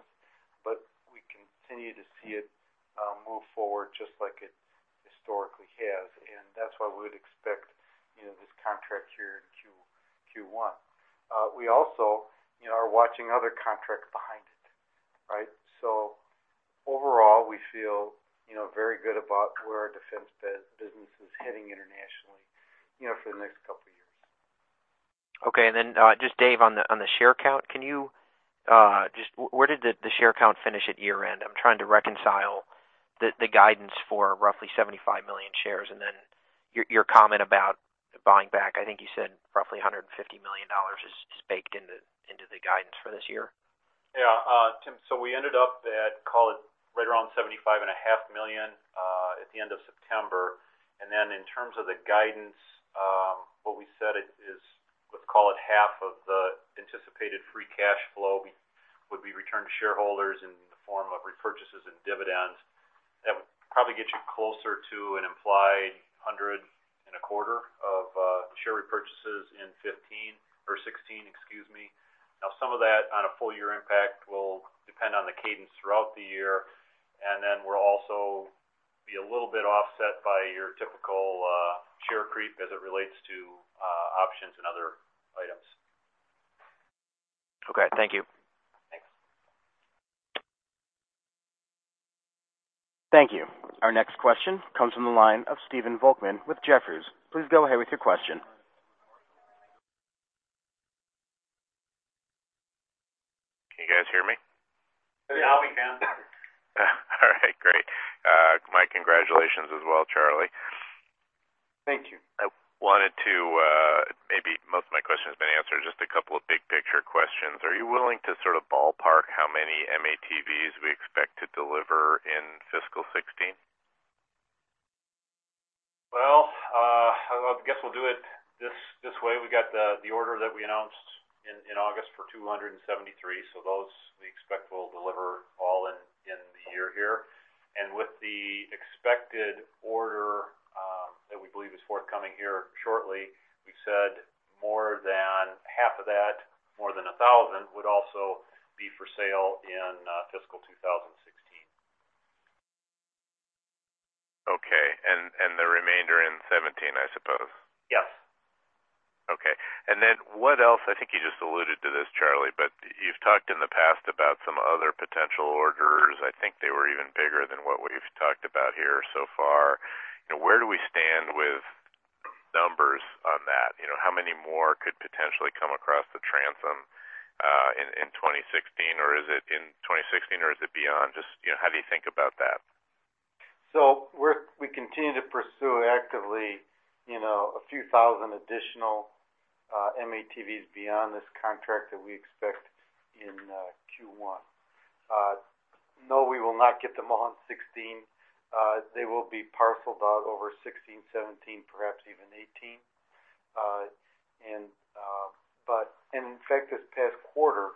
but we continue to see it move forward just like it historically has, and that's why we would expect, you know, this contract here in Q1, Q1. We also, you know, are watching other contracts behind it, right? So overall, we feel, you know, very good about where our Defense business is heading internationally, you know, for the next couple of years. Okay. And then, just Dave, on the share count, can you just, where did the share count finish at year-end? I'm trying to reconcile the guidance for roughly 75 million shares, and then your comment about buying back, I think you said roughly $150 million is baked into the guidance for this year. Yeah, Tim, so we ended up at, call it, right around $75.5 million at the end of September. And then in terms of the guidance, what we said is, let's call it half of the anticipated free cash flow would be returned to shareholders in the form of repurchases and dividends. That would probably get you closer to an implied $125 million of share repurchases in 2015 or 2016, excuse me. Now, some of that on a full year impact will depend on the cadence throughout the year, and then we're also be a little bit offset by your typical share creep as it relates to options and other items. Okay. Thank you. Thanks. Thank you. Our next question comes from the line of Stephen Volkmann with Jefferies. Please go ahead with your question. Can you guys hear me? Yeah, we can. All right, great. My congratulations as well, Charlie. Thank you. I wanted to, maybe most of my question has been answered, just a couple of big picture questions. Are you willing to sort of ballpark how many M-ATVs we expect to deliver in fiscal 2016? Well, I guess we'll do it this way. We got the order that we announced in August for 273, so those we expect we'll deliver all in the year here. With the expected order that we believe is forthcoming here shortly, we've said more than half of that, more than 1,000, would also be for sale in fiscal 2016. Okay. And the remainder in 2017, I suppose? Yes. Okay. And then what else? I think you just alluded to this, Charlie, but you've talked in the past about some other potential orders. I think they were even bigger than what we've talked about here so far. Where do we stand with numbers on that? You know, how many more could potentially come across the transom in 2016, or is it in 2016, or is it beyond? Just, you know, how do you think about that? So we continue to pursue actively, you know, a few thousand additional M-ATVs beyond this contract that we expect in Q1. No, we will not get them all in 2016. They will be parceled out over 2016, 2017, perhaps even 2018. But in fact, this past quarter,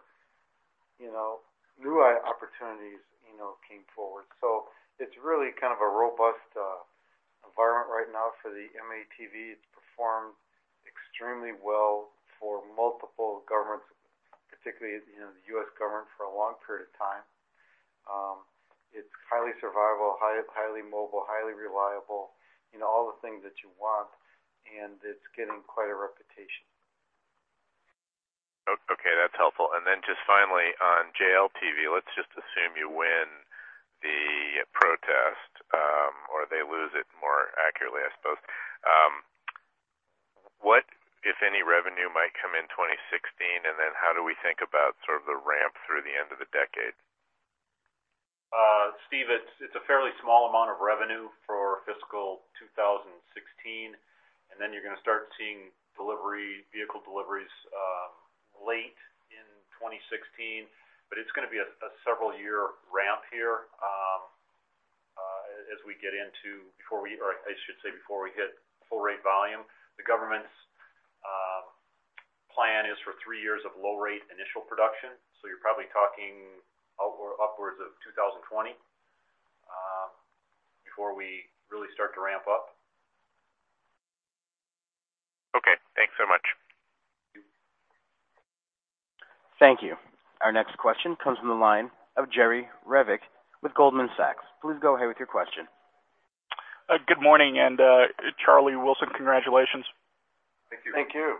you know, new opportunities, you know, came forward. So it's really kind of a robust environment right now for the M-ATV. It's performed extremely well for multiple governments, particularly, you know, the U.S. government, for a long period of time. It's highly survivable, highly mobile, highly reliable, you know, all the things that you want, and it's getting quite a reputation. Okay, that's helpful. And then just finally, on JLTV, let's just assume you win the protest, or they lose it more accurately, I suppose. What, if any, revenue might come in 2016? And then how do we think about sort of the ramp through the end of the decade? Steve, it's a fairly small amount of revenue for fiscal 2016, and then you're going to start seeing delivery vehicle deliveries late in 2016, but it's going to be a several year ramp here, as we get into before we, or I should say, before we hit full rate volume. The government's plan is for three years of low rate initial production, so you're probably talking upwards of 2020 before we really start to ramp up. Thank you. Our next question comes from the line of Jerry Revich with Goldman Sachs. Please go ahead with your question. Good morning, and Charlie, Wilson, congratulations. Thank you. Thank you.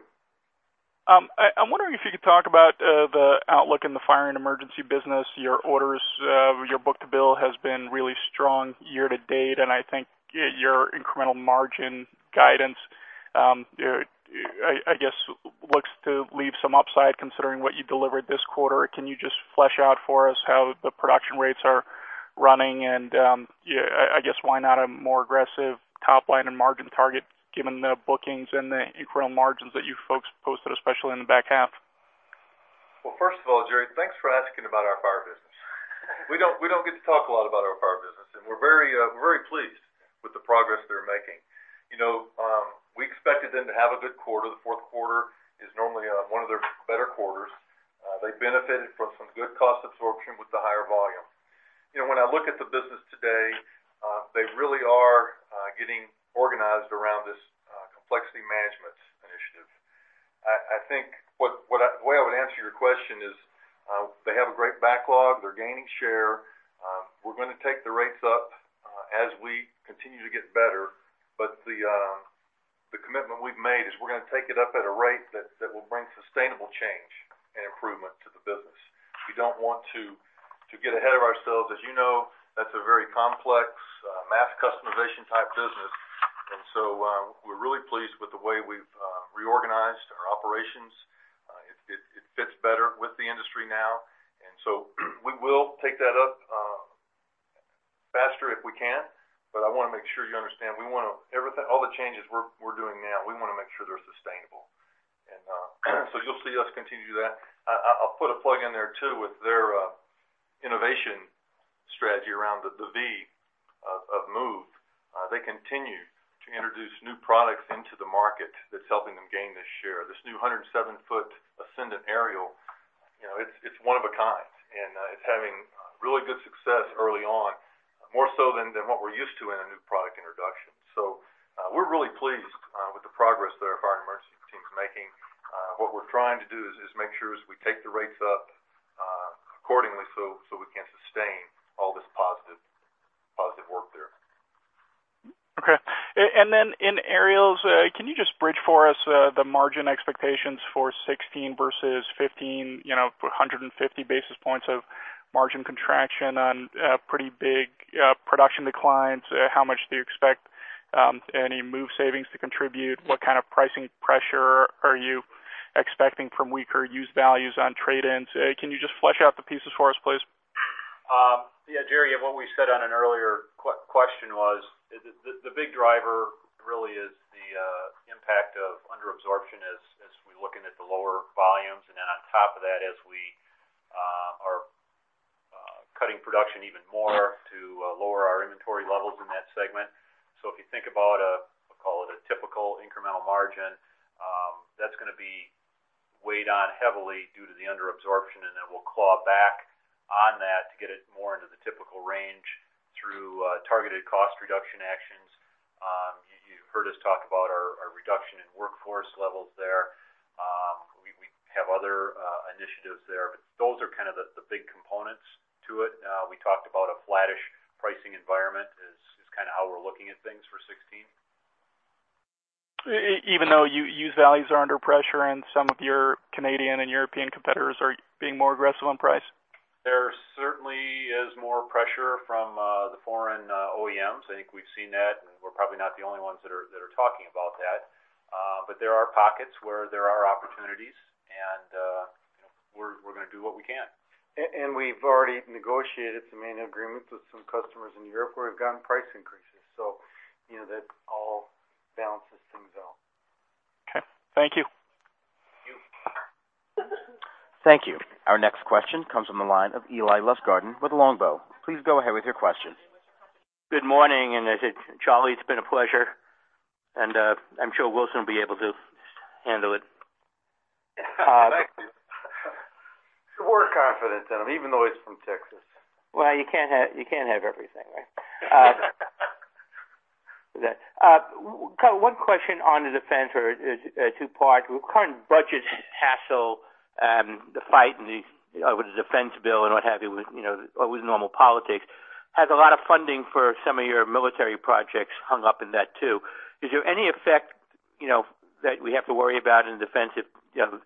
I'm wondering if you could talk about the outlook in the Fire & Emergency business. Your orders, your book-to-bill has been really strong year-to-date, and I think your incremental margin guidance, I guess, looks to leave some upside considering what you delivered this quarter. Can you just flesh out for us how the production rates are running and, I guess, why not a more aggressive top line and margin target, given the bookings and the incremental margins that you folks posted, especially in the back half? Well, first of all, Jerry, thanks for asking about our fire business. We don't, we don't get to talk a lot about our Fire business, and we're very, very pleased with the progress they're making. You know, we expected them to have a good quarter. The fourth quarter is normally, one of their better quarters. They benefited from some good cost absorption with the higher volume. You know, when I look at the business today, they really are, getting organized around this, complexity management initiative. I, I think what, what I- the way I would answer your question is, they have a great backlog, they're gaining share. We're gonna take the rates up as we continue to get better, but the commitment we've made is we're gonna take it up at a rate that will bring sustainable change and improvement to the business. We don't want to get ahead of ourselves. As you know, that's a very complex mass customization type business, and so we're really pleased with the way we've reorganized our operations. It fits better with the industry now, and so we will take that up faster if we can, but I want to make sure you understand, we want everything, all the changes we're doing now, we want to make sure they're sustainable. So you'll see us continue to do that. I'll put a plug in there, too, with their innovation strategy around the V of MOVE. They continue to introduce new products into the market that's helping them gain this share. This new 107-foot Ascendant aerial, you know, it's one of a kind, and it's having really good success early on, more so than what we're used to in a new product introduction. So, we're really pleased with the progress that our Fire & Emergency team's making. What we're trying to do is make sure as we take the rates up accordingly, so we can sustain all this positive work there. Okay. And then in aerials, can you just bridge for us the margin expectations for 16 versus 15, you know, for 150 basis points of margin contraction on pretty big production declines? How much do you expect any move savings to contribute? What kind of pricing pressure are you expecting from weaker used values on trade-ins? Can you just flesh out the pieces for us, please? Yeah, Jerry, what we said on an earlier question was, the big driver really is the impact of under absorption as we're looking at the lower volumes, and then on top of that, as we are cutting production even more to lower our inventory levels in that segment. So if you think about, call it a typical incremental margin, that's gonna be weighed on heavily due to the under absorption, and then we'll claw back on that to get it more into the typical range through targeted cost reduction actions. You've heard us talk about our reduction in workforce levels there. We have other initiatives there, but those are kind of the big components to it. We talked about a flattish pricing environment is kind of how we're looking at things for 2016. Even though used values are under pressure and some of your Canadian and European competitors are being more aggressive on price? There certainly is more pressure from the foreign OEMs. I think we've seen that, and we're probably not the only ones that are talking about that. But there are pockets where there are opportunities, and we're gonna do what we can. We've already negotiated some agreement with some customers in Europe where we've gotten price increases, so you know, that all balances things out. Okay. Thank you. Thank you. Thank you. Our next question comes from the line of Eli Lustgarten with Longbow. Please go ahead with your question. Good morning, and, Charlie, it's been a pleasure, and, I'm sure Wilson will be able to handle it. We're confident in him, even though he's from Texas. Well, you can't have, you can't have everything, right? One question on the Defense, or it's, two-part. Current budget hassle, the fight and the, with the Defense bill and what have you, with, you know, always normal politics, has a lot of funding for some of your military projects hung up in that, too. Is there any effect, you know, that we have to worry about in Defense if, you know,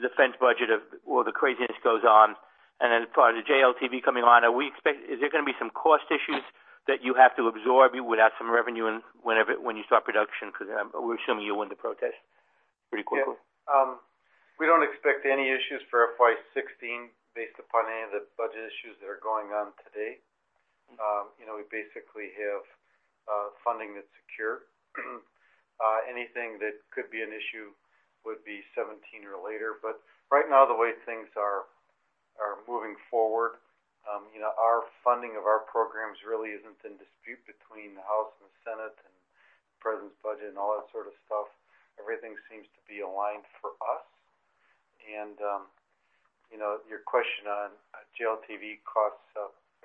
Defense budget of all the craziness goes on? And then as part of the JLTV coming on, is there gonna be some cost issues that you have to absorb without some revenue and whenever, when you start production? Because, we're assuming you'll win the protest pretty quickly. We don't expect any issues for FY 2016 based upon any of the budget issues that are going on today. You know, we basically have funding that's secure. Anything that could be an issue would be 2017 or later, but right now, the way things are moving forward, you know, our funding of our programs really isn't in dispute between the House and the Senate and the present budget and all that sort of stuff. Everything seems to be aligned for us. You know, your question on JLTV costs,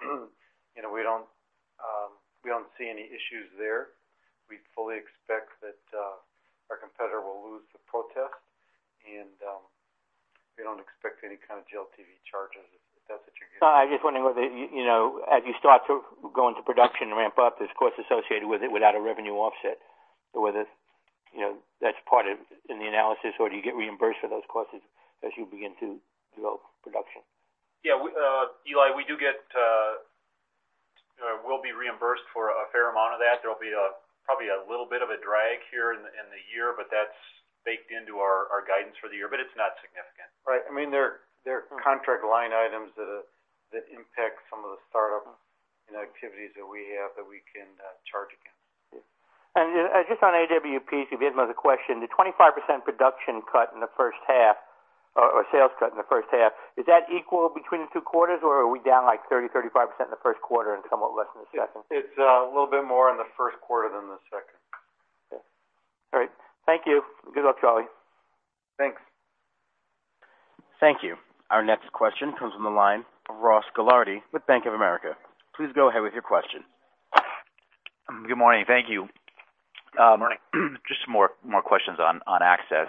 you know, we don't-... we don't see any issues there. We fully expect that our competitor will lose the protest, and we don't expect any kind of JLTV charges, if that's what you're getting at. No, I'm just wondering whether, you know, as you start to go into production and ramp up, there's costs associated with it without a revenue offset. So whether, you know, that's part in the analysis, or do you get reimbursed for those costs as you begin to develop production? Yeah, we, Eli, we do get, we'll be reimbursed for a fair amount of that. There'll be a, probably a little bit of a drag here in the, in the year, but that's baked into our, our guidance for the year, but it's not significant. Right. I mean, there are, there are contract line items that, that impact some of the startup, you know, activities that we have that we can, charge against. Just on AWP, to give another question, the 25% production cut in the first half or, or sales cut in the first half, is that equal between the two quarters, or are we down, like, 30%, 35% in the first quarter and somewhat less in the second? It's a little bit more in the first quarter than the second. Okay. All right. Thank you. Good luck, Charlie. Thanks. Thank you. Our next question comes from the line of Ross Gilardi with Bank of America. Please go ahead with your question. Good morning. Thank you. Good morning. Just some more questions on access.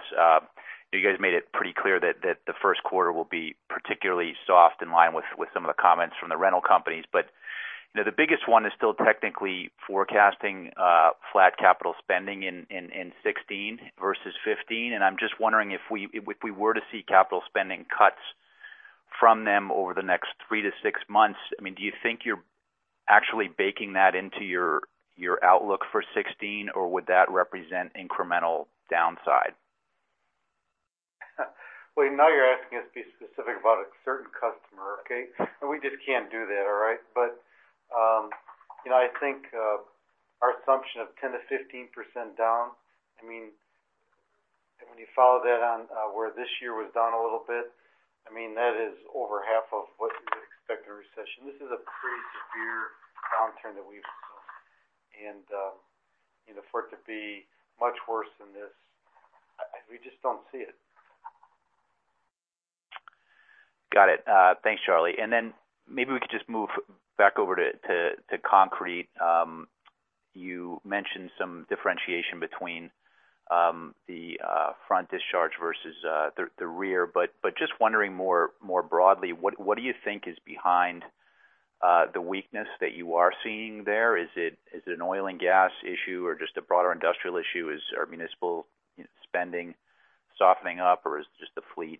You guys made it pretty clear that the first quarter will be particularly soft, in line with some of the comments from the rental companies. But, you know, the biggest one is still technically forecasting flat capital spending in 2016 versus 2015, and I'm just wondering if we were to see capital spending cuts from them over the next 3-6 months, I mean, do you think you're actually baking that into your outlook for 2016, or would that represent incremental downside? Well, now you're asking us to be specific about a certain customer, okay? And we just can't do that, all right? But, you know, I think, our assumption of 10%-15% down, I mean, when you follow that on, where this year was down a little bit, I mean, that is over half of what you would expect in a recession. This is a pretty severe downturn that we've seen. And, you know, for it to be much worse than this, I, we just don't see it. Got it. Thanks, Charlie. And then maybe we could just move back over to concrete. You mentioned some differentiation between the front discharge versus the rear, but just wondering more broadly, what do you think is behind the weakness that you are seeing there? Is it an oil and gas issue or just a broader industrial issue? Is our municipal spending softening up, or is just the fleet,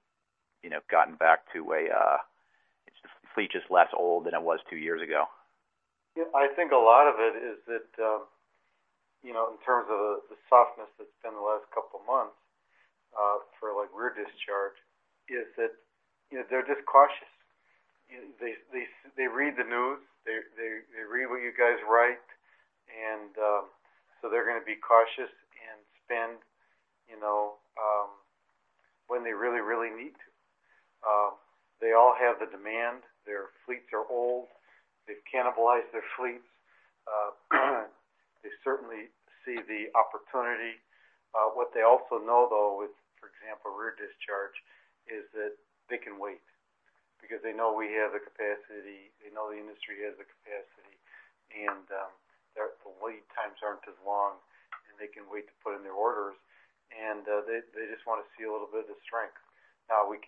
you know, the fleet just less old than it was two years ago? Yeah, I think a lot of it is that, you know, in terms of the softness that's been in the last couple of months, for, like, rear discharge, is that, you know, they're just cautious. They read the news, they read what you guys write, and so they're gonna be cautious and spend, you know, when they really, really need to. They all have the demand. Their fleets are old. They've cannibalized their fleets. They certainly see the opportunity. What they also know, though, with, for example, rear discharge, is that they can wait because they know we have the capacity, they know the industry has the capacity, and the lead times aren't as long, and they can wait to put in their orders, and they, they just want to see a little bit of the strength. Now, we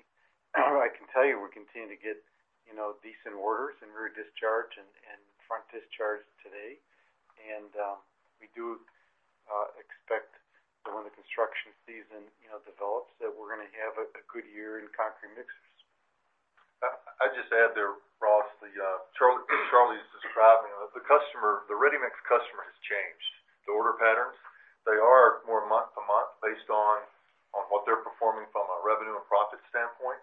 can, I can tell you we're continuing to get, you know, decent orders in rear discharge and front discharge today. And we do expect that when the construction season, you know, develops, that we're gonna have a good year in concrete mixers. I just add there, Ross, Charlie's describing the customer, the ready-mix customer has changed. The order patterns, they are more month to month based on what they're performing from a revenue and profit standpoint.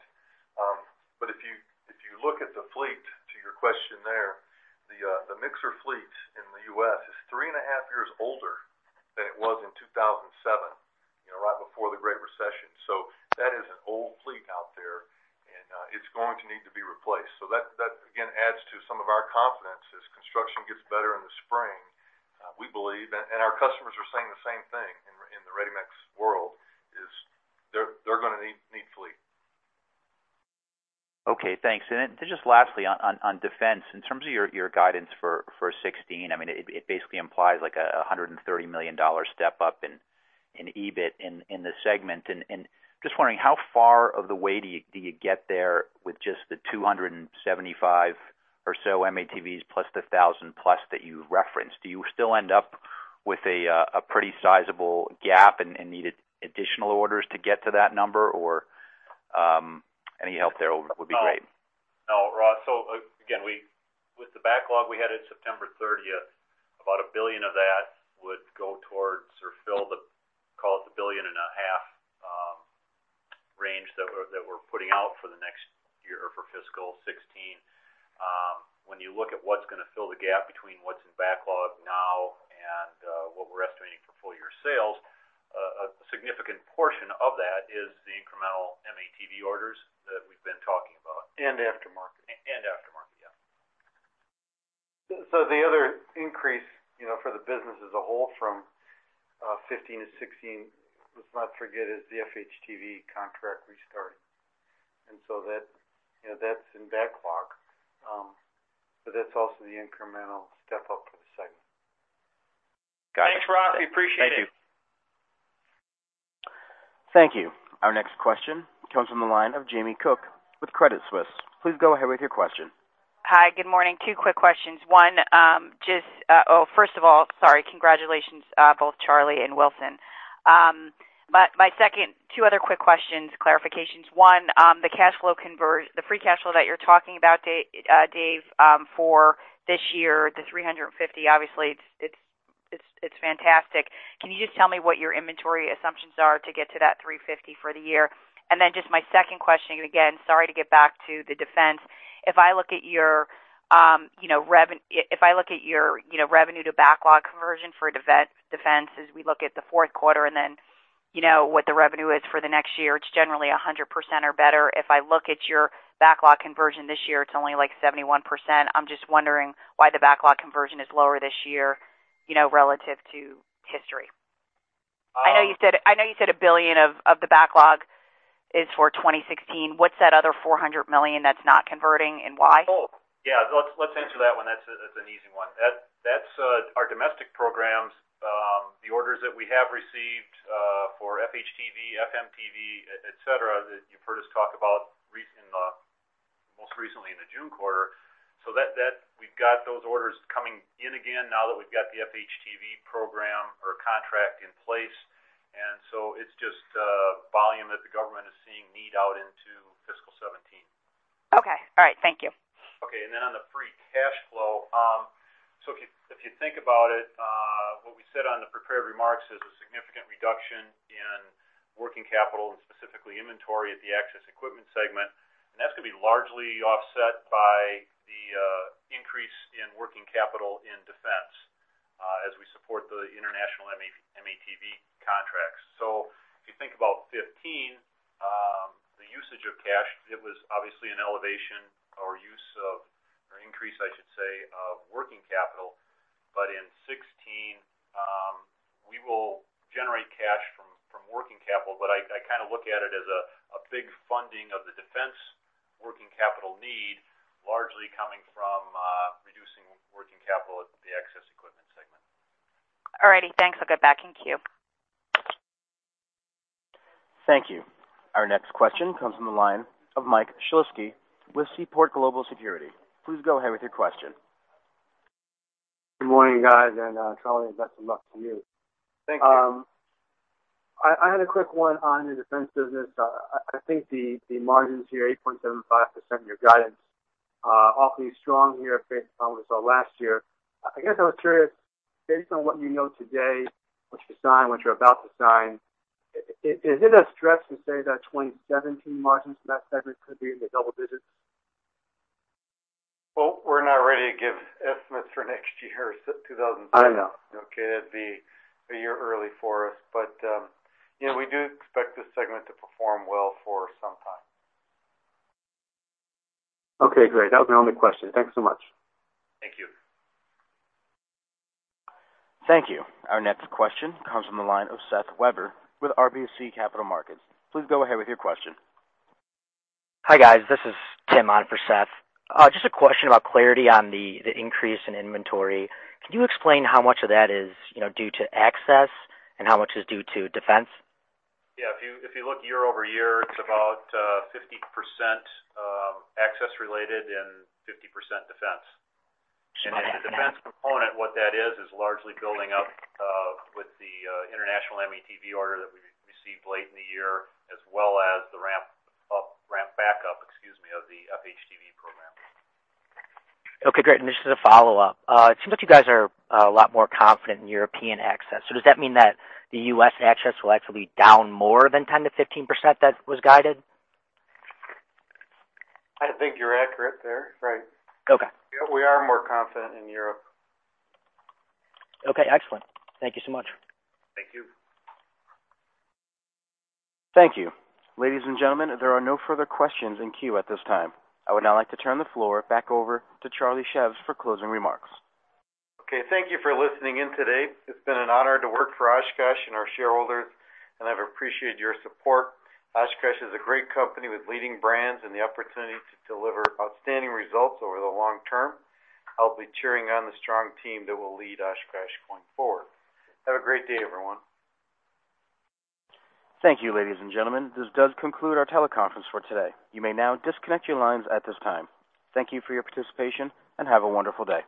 But if you look at the fleet, to your question there, the mixer fleet in the U.S. is 3.5 years older than it was in 2007, you know, right before the Great Recession. So that is an old fleet out there, and it's going to need to be replaced. So that again adds to some of our confidence as construction gets better in the spring, we believe, and our customers are saying the same thing in the ready-mix world, is they're gonna need fleet. Okay, thanks. And then just lastly, on Defense, in terms of your guidance for 2016, I mean, it basically implies like a $130 million step-up in EBIT in the segment. And just wondering, how far of the way do you get there with just the 275 or so M-ATVs plus the 1,000+ that you referenced? Do you still end up with a pretty sizable gap and needed additional orders to get to that number? Or, any help there would be great. No, Ross. So again, with the backlog we had at September thirtieth, about $1 billion of that would go towards or fill the, call it the $1.5 billion range that we're putting out for the next year or for fiscal 2016. When you look at what's gonna fill the gap between what's in backlog now and what we're estimating for full year sales, a significant portion of that is the incremental M-ATV orders that we've been talking about. And aftermarket. Aftermarket, yeah. So the other increase, you know, for the business as a whole, from 2015 to 2016, let's not forget, is the FHTV contract restart. And so that, you know, that's in backlog. But that's also the incremental step up for the segment. Got it. Thanks, Ross. We appreciate it. Thank you. Thank you. Our next question comes from the line of Jamie Cook with Credit Suisse. Please go ahead with your question. Hi, good morning. Two quick questions. One, first of all, sorry, congratulations both Charlie and Wilson. But my second, two other quick questions, clarifications. One, the free cash flow that you're talking about, Dave, for this year, the $350 million, obviously, it's, it's, it's fantastic. Can you just tell me what your inventory assumptions are to get to that $350 million for the year? And then just my second question, again, sorry to get back to the Defense. If I look at your, you know, revenue, if I look at your, you know, revenue to backlog conversion for Defense, as we look at the fourth quarter, and then, you know, what the revenue is for the next year, it's generally 100% or better. If I look at your backlog conversion this year, it's only, like, 71%. I'm just wondering why the backlog conversion is lower this year, you know, relative to history. I know you said, I know you said $1 billion of, of the backlog is for 2016. What's that other $400 million that's not converting and why? Oh, yeah, let's answer that one. That's an easy one. That's our domestic programs, the orders that we have received for FHTV, FMTV, et cetera, that you've heard us talk about recently, most recently in the June quarter. So we've got those orders coming in again now that we've got the FHTV program or contract in place, and so it's just volume that the government is seeing need out into fiscal 2017. Okay. All right, thank you. Okay, and then on the free cash flow, so if you, if you think about it, what we said on the prepared remarks is a significant reduction in working capital, and specifically inventory at the Access Equipment segment. And that's going to be largely offset by the increase in working capital in Defense, as we support the international M-ATV contracts. So if you think about 2015, the usage of cash, it was obviously an elevation or use of, or increase, I should say, of working capital, but in 2016, we will generate cash from working capital. But I kind of look at it as a big funding of the Defense working capital need, largely coming from reducing working capital at the Access Equipment segment. All righty. Thanks. I'll go back in queue. Thank you. Our next question comes from the line of Mike Shlisky with Seaport Global Securities. Please go ahead with your question. Good morning, guys, and Charlie, best of luck to you. Thank you. I had a quick one on the Defense business. I think the margins here, 8.75%, your guidance, awfully strong here based on what we saw last year. I guess I was curious, based on what you know today, what you sign, what you're about to sign, is it a stretch to say that 2017 margins in that segment could be in the double-digits? Well, we're not ready to give estimates for next year, so 2000 and- I know. Okay, that'd be a year early for us. But, you know, we do expect this segment to perform well for some time. Okay, great. That was my only question. Thank you so much. Thank you. Thank you. Our next question comes from the line of Seth Weber with RBC Capital Markets. Please go ahead with your question. Hi, guys. This is Tim on for Seth. Just a question about clarity on the increase in inventory. Can you explain how much of that is, you know, due to Access and how much is due to Defense? Yeah, if you look year-over-year, it's about 50% Access related and 50% Defense. Got it. And the defense component, what that is, is largely building up with the international M-ATV order that we received late in the year, as well as the ramp up, ramp back up, excuse me, of the FHTV program. Okay, great. And just as a follow-up, it seems like you guys are a lot more confident in European access. So does that mean that the U.S. access will actually be down more than 10%-15% that was guided? I think you're accurate there, right. Okay. We are more confident in Europe. Okay, excellent. Thank you so much. Thank you. Thank you. Ladies and gentlemen, there are no further questions in queue at this time. I would now like to turn the floor back over to Charlie Szews for closing remarks. Okay, thank you for listening in today. It's been an honor to work for Oshkosh and our shareholders, and I've appreciated your support. Oshkosh is a great company with leading brands and the opportunity to deliver outstanding results over the long term. I'll be cheering on the strong team that will lead Oshkosh going forward. Have a great day, everyone. Thank you, ladies and gentlemen. This does conclude our teleconference for today. You may now disconnect your lines at this time. Thank you for your participation, and have a wonderful day.